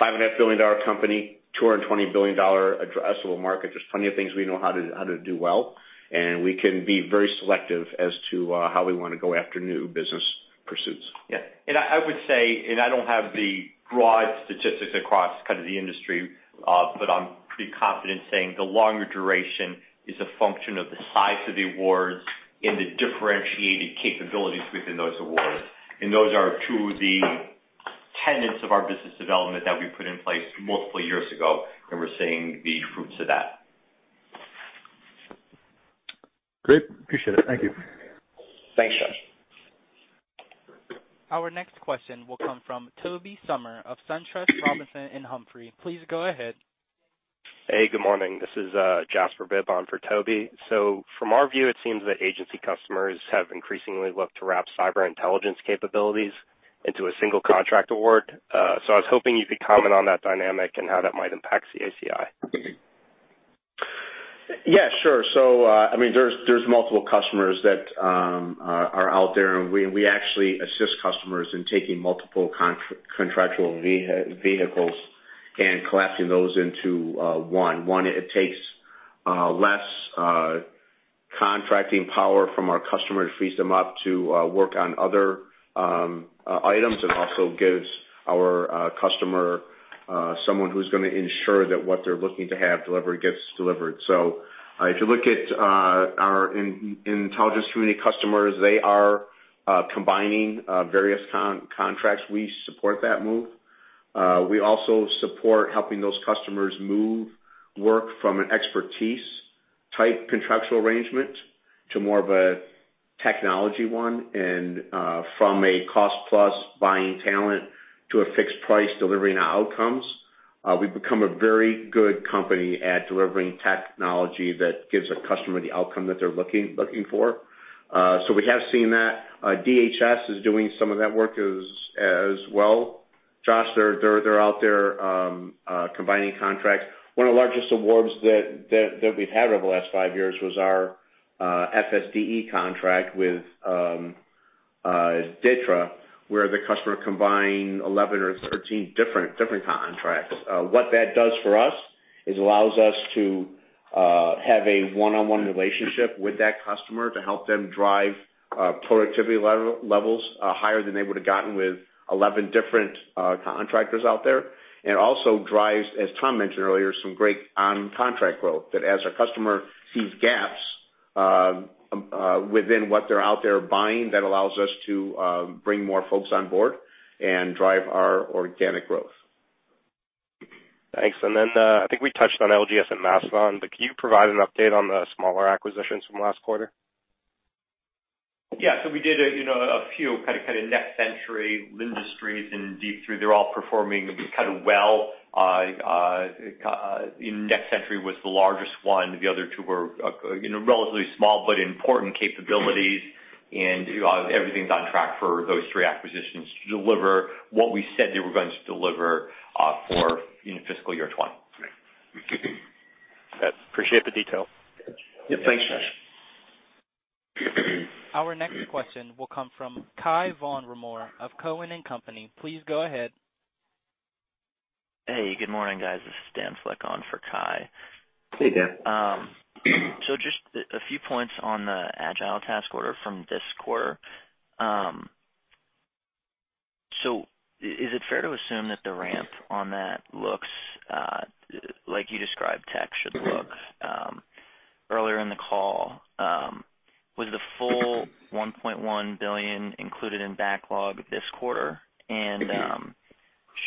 $5.5 billion company, $220 billion addressable market. There's plenty of things we know how to do well. And we can be very selective as to how we want to go after new business pursuits. Yeah. And I would say, and I don't have the broad statistics across kind of the industry, but I'm pretty confident in saying the longer duration is a function of the size of the awards and the differentiated capabilities within those awards. Those are two of the tenets of our business development that we put in place multiple years ago, and we're seeing the fruits of that. Great. Appreciate it. Thank you. Thanks, Josh. Our next question will come from Toby Sommer of SunTrust Robinson & Humphrey. Please go ahead. Hey. Good morning. This is Jasper Bibb on for Toby. So from our view, it seems that agency customers have increasingly looked to wrap cyber intelligence capabilities into a single contract award. So I was hoping you could comment on that dynamic and how that might impact CACI? Yeah. Sure. So I mean, there's multiple customers that are out there, and we actually assist customers in taking multiple contractual vehicles and collapsing those into one. One, it takes less contracting power from our customers to free them up to work on other items and also gives our customer someone who's going to ensure that what they're looking to have delivered gets delivered. So if you look at our intelligence community customers, they are combining various contracts. We support that move. We also support helping those customers move work from an expertise-type contractual arrangement to more of a technology one and from a cost-plus buying talent to a fixed-price delivering outcomes. We've become a very good company at delivering technology that gives a customer the outcome that they're looking for. So we have seen that. DHS is doing some of that work as well. Josh, they're out there combining contracts. One of the largest awards that we've had over the last five years was our FSDE contract with DTRA, where the customer combined 11 or 13 different contracts. What that does for us is it allows us to have a one-on-one relationship with that customer to help them drive productivity levels higher than they would have gotten with 11 different contractors out there, and it also drives, as Tom mentioned earlier, some great on-contract growth that as our customer sees gaps within what they're out there buying, that allows us to bring more folks on board and drive our organic growth. Thanks. And then I think we touched on LGS and Mastodon, but can you provide an update on the smaller acquisitions from last quarter? Yeah. So we did a few kind of Next Century, Mastodon, and Deep3. They're all performing kind of well. Next Century was the largest one. The other two were relatively small but important capabilities. And everything's on track for those three acquisitions to deliver what we said they were going to deliver for fiscal year 2020. Appreciate the detail. Yeah. Thanks, Josh. Our next question will come from Cai von Rumohr of Cowen & Company. Please go ahead. Hey. Good morning, guys. This is Dan Flick on for Cai. Hey, Dan. Just a few points on the agile task order from this quarter. Is it fair to assume that the ramp on that looks like you described it should look? Earlier in the call, was the full $1.1 billion included in backlog this quarter?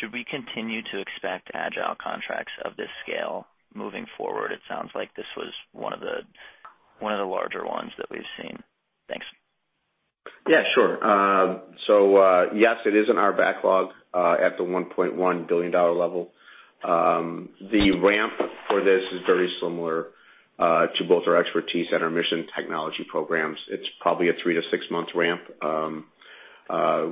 Should we continue to expect agile contracts of this scale moving forward? It sounds like this was one of the larger ones that we've seen. Thanks. Yeah. Sure. So yes, it is in our backlog at the $1.1 billion level. The ramp for this is very similar to both our expertise and our mission technology programs. It's probably a three- to six-month ramp,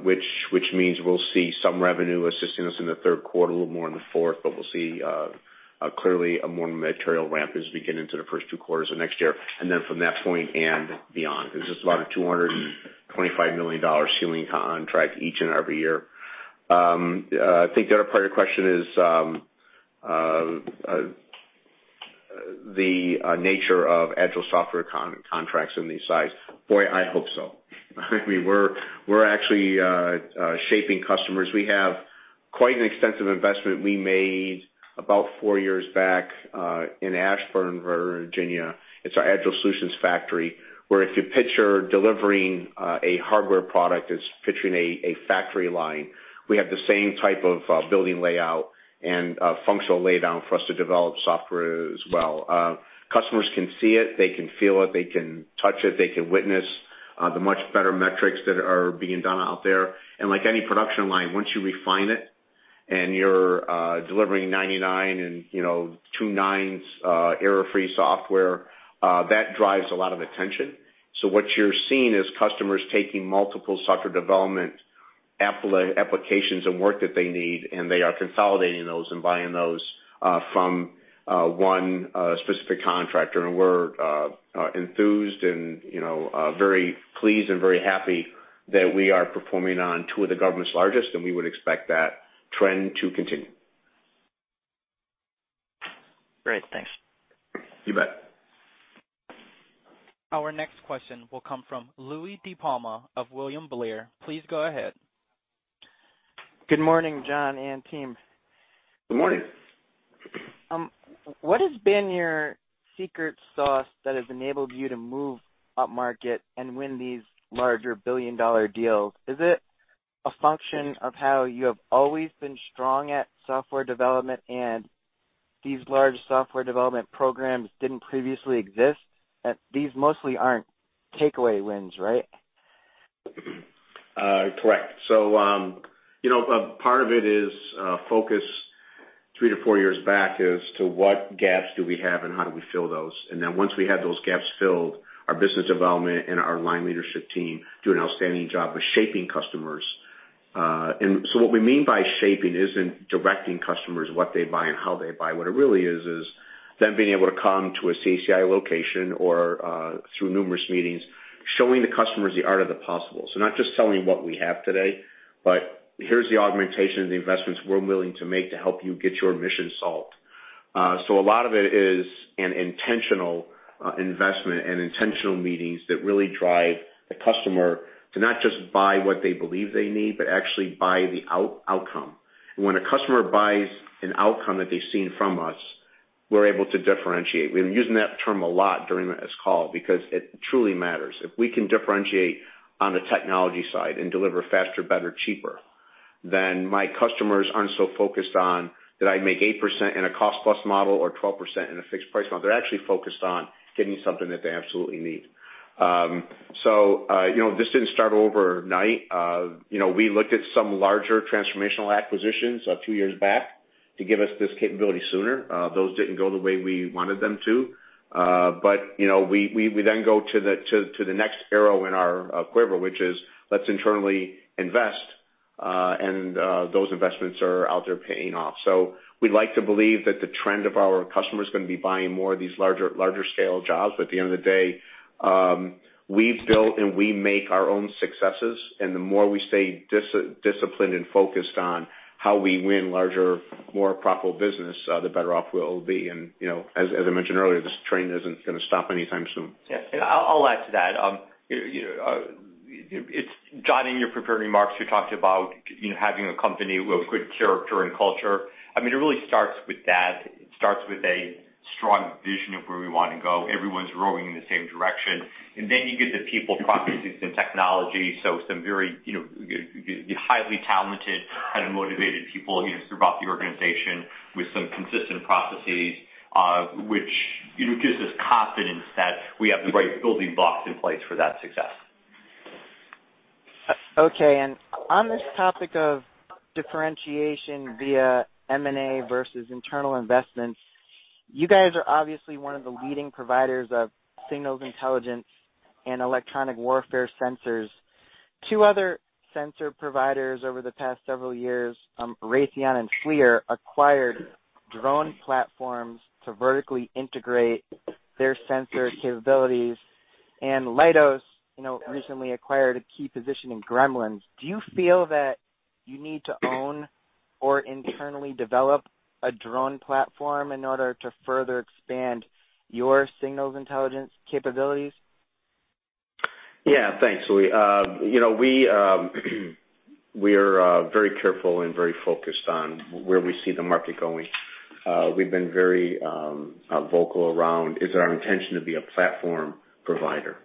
which means we'll see some revenue assisting us in the third quarter, a little more in the fourth, but we'll see clearly a more material ramp as we get into the first two quarters of next year. And then from that point and beyond, there's just about a $225 million ceiling contract each and every year. I think the other part of your question is the nature of agile software contracts and the size. Boy, I hope so. I mean, we're actually shaping customers. We have quite an extensive investment we made about four years back in Ashburn, Virginia. It's our Agile Solutions Factory where if you picture delivering a hardware product, it's picturing a factory line. We have the same type of building layout and functional layout for us to develop software as well. Customers can see it. They can feel it. They can touch it. They can witness the much better metrics that are being done out there, and like any production line, once you refine it and you're delivering 99 and two 9s error-free software, that drives a lot of attention, so what you're seeing is customers taking multiple software development applications and work that they need, and they are consolidating those and buying those from one specific contractor, and we're enthused and very pleased and very happy that we are performing on two of the government's largest, and we would expect that trend to continue. Great. Thanks. You bet. Our next question will come from Louie DiPalma of William Blair. Please go ahead. Good morning, John and team. Good morning. What has been your secret sauce that has enabled you to move up market and win these larger billion-dollar deals? Is it a function of how you have always been strong at software development and these large software development programs didn't previously exist? These mostly aren't takeaway wins, right? Correct, so part of it is focus three to four years back as to what gaps do we have and how do we fill those, and then once we have those gaps filled, our business development and our line leadership team do an outstanding job of shaping customers, and so what we mean by shaping isn't directing customers what they buy and how they buy. What it really is, is them being able to come to a CACI location or through numerous meetings, showing the customers the art of the possible, so not just telling what we have today, but here's the augmentation of the investments we're willing to make to help you get your mission solved. So a lot of it is an intentional investment and intentional meetings that really drive the customer to not just buy what they believe they need, but actually buy the outcome. When a customer buys an outcome that they've seen from us, we're able to differentiate. We've been using that term a lot during this call because it truly matters. If we can differentiate on the technology side and deliver faster, better, cheaper, then my customers aren't so focused on, "Did I make 8% in a cost-plus model or 12% in a fixed-price model?" They're actually focused on getting something that they absolutely need. This didn't start overnight. We looked at some larger transformational acquisitions two years back to give us this capability sooner. Those didn't go the way we wanted them to. We then go to the next arrow in our quiver, which is, "Let's internally invest." Those investments are out there paying off. We'd like to believe that the trend of our customers is going to be buying more of these larger-scale jobs. But at the end of the day, we build and we make our own successes. And the more we stay disciplined and focused on how we win larger, more profitable business, the better off we'll be. And as I mentioned earlier, this train isn't going to stop anytime soon. Yeah. And I'll add to that. John, in your prepared remarks, you talked about having a company with good character and culture. I mean, it really starts with that. It starts with a strong vision of where we want to go. Everyone's rowing in the same direction. And then you get the people, processes, and technology. So some very highly talented and motivated people throughout the organization with some consistent processes, which gives us confidence that we have the right building blocks in place for that success. Okay. And on this topic of differentiation via M&A versus internal investments, you guys are obviously one of the leading providers of signals intelligence and electronic warfare sensors. Two other sensor providers over the past several years, Raytheon and FLIR, acquired drone platforms to vertically integrate their sensor capabilities. And Leidos recently acquired a key position in Gremlins. Do you feel that you need to own or internally develop a drone platform in order to further expand your signals intelligence capabilities? Yeah. Thanks, Louie. We are very careful and very focused on where we see the market going. We've been very vocal around, "Is it our intention to be a platform provider?"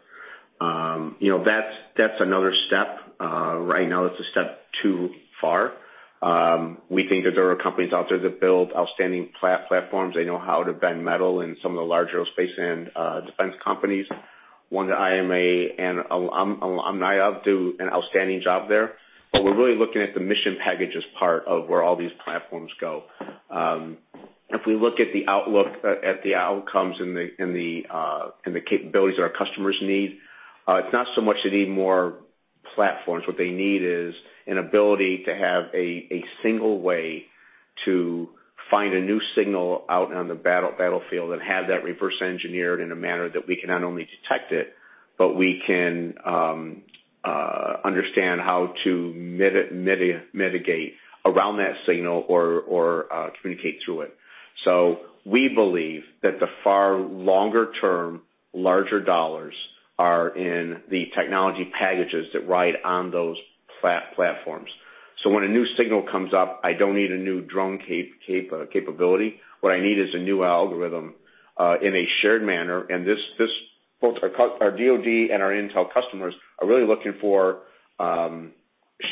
That's another step. Right now, it's a step too far. We think that there are companies out there that build outstanding platforms. They know how to bend metal in some of the larger aerospace and defense companies. One that I am an alumni of do an outstanding job there. But we're really looking at the mission package as part of where all these platforms go. If we look at the outlook at the outcomes and the capabilities that our customers need, it's not so much they need more platforms. What they need is an ability to have a single way to find a new signal out on the battlefield and have that reverse engineered in a manner that we can not only detect it, but we can understand how to mitigate around that signal or communicate through it. So we believe that the far longer-term larger dollars are in the technology packages that ride on those platforms. So when a new signal comes up, I don't need a new drone capability. What I need is a new algorithm in a shared manner. And both our DOD and our intel customers are really looking for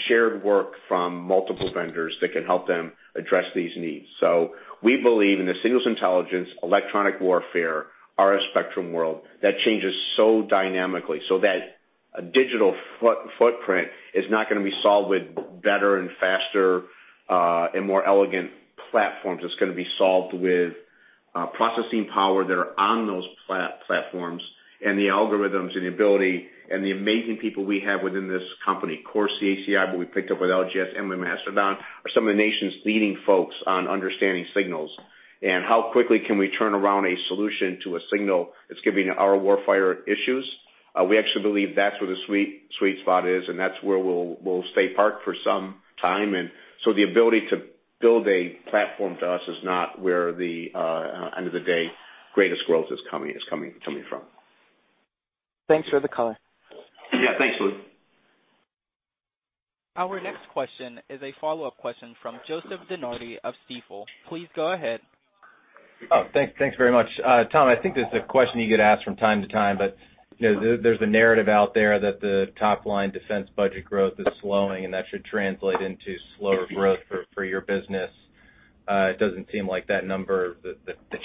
shared work from multiple vendors that can help them address these needs. So we believe in the signals intelligence, electronic warfare, RF spectrum world that changes so dynamically so that a digital footprint is not going to be solved with better and faster and more elegant platforms. It's going to be solved with processing power that are on those platforms. And the algorithms and the ability and the amazing people we have within this company, of course, CACI, what we picked up with LGS, and we mastered on are some of the nation's leading folks on understanding signals. And how quickly can we turn around a solution to a signal that's giving our warfare issues? We actually believe that's where the sweet spot is. And that's where we'll stay parked for some time. And so the ability to build a platform to us is not where the end of the day, greatest growth is coming from. Thanks for the color. Yeah. Thanks, Louie. Our next question is a follow-up question from Joseph DeNardi of Stifel. Please go ahead. Oh, thanks very much. Tom, I think there's a question you get asked from time to time, but there's a narrative out there that the top-line defense budget growth is slowing, and that should translate into slower growth for your business. It doesn't seem like that number, the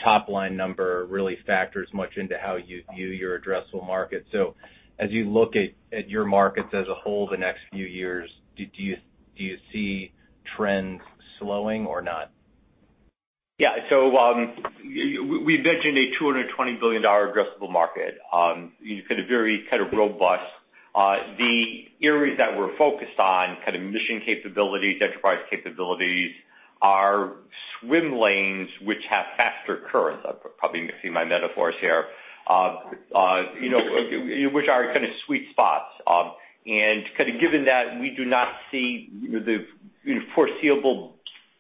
top-line number, really factors much into how you view your addressable market. So as you look at your markets as a whole the next few years, do you see trends slowing or not? Yeah. So we mentioned a $220 billion addressable market. It's going to be very kind of robust. The areas that we're focused on, kind of mission capabilities, enterprise capabilities, are swim lanes which have faster currents. I'm probably mixing my metaphors here, which are kind of sweet spots. And kind of given that, we do not see the foreseeable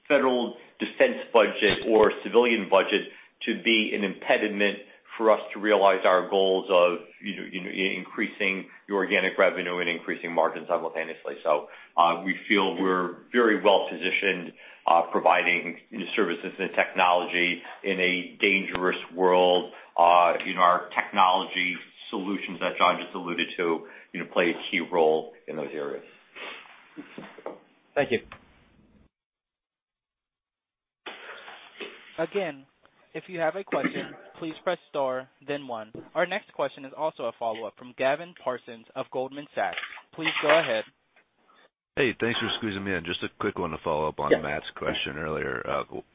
federal defense budget or civilian budget to be an impediment for us to realize our goals of increasing your organic revenue and increasing margins simultaneously. So we feel we're very well positioned providing services and technology in a dangerous world. Our technology solutions that John just alluded to play a key role in those areas. Thank you. Again, if you have a question, please press star, then one. Our next question is also a follow-up from Gavin Parsons of Goldman Sachs. Please go ahead. Hey, thanks for squeezing me in. Just a quick one to follow up on Matt's question earlier.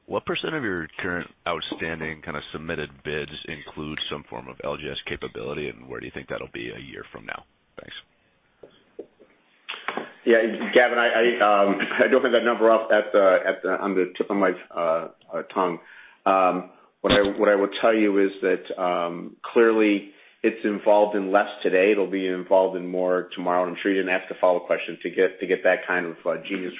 What % of your current outstanding kind of submitted bids include some form of LGS capability, and where do you think that'll be a year from now? Thanks. Yeah. Gavin, I don't have that number up on the tip of my tongue. What I will tell you is that clearly it's involved in less today. It'll be involved in more tomorrow. I'm sure you didn't ask the follow-up question to get that kind of genius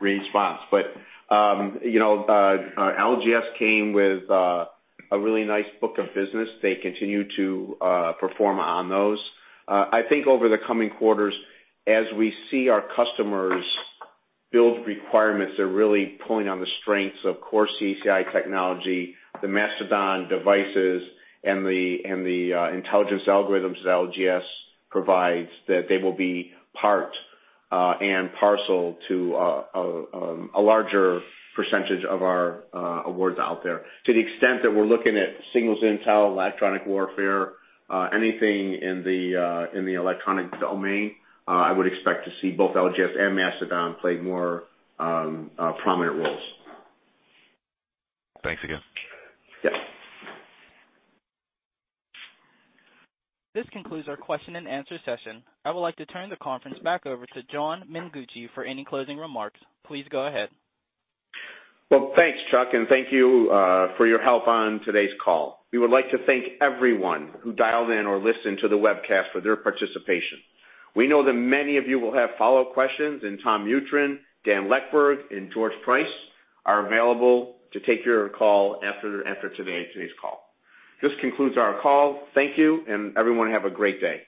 response. But LGS came with a really nice book of business. They continue to perform on those. I think over the coming quarters, as we see our customers build requirements that are really pulling on the strengths of core CACI technology, the Mastodon devices, and the intelligence algorithms that LGS provides, that they will be part and parcel to a larger percentage of our awards out there. To the extent that we're looking at signals intel, electronic warfare, anything in the electronic domain, I would expect to see both LGS and Mastodon play more prominent roles. Thanks again. Yep. This concludes our question-and-answer session. I would like to turn the conference back over to John Mengucci for any closing remarks. Please go ahead. Well, thanks, Chuck. And thank you for your help on today's call. We would like to thank everyone who dialed in or listened to the webcast for their participation. We know that many of you will have follow-up questions, and Tom Mutryn, Dan Leckburg, and George Price are available to take your call after today's call. This concludes our call. Thank you, and everyone have a great day.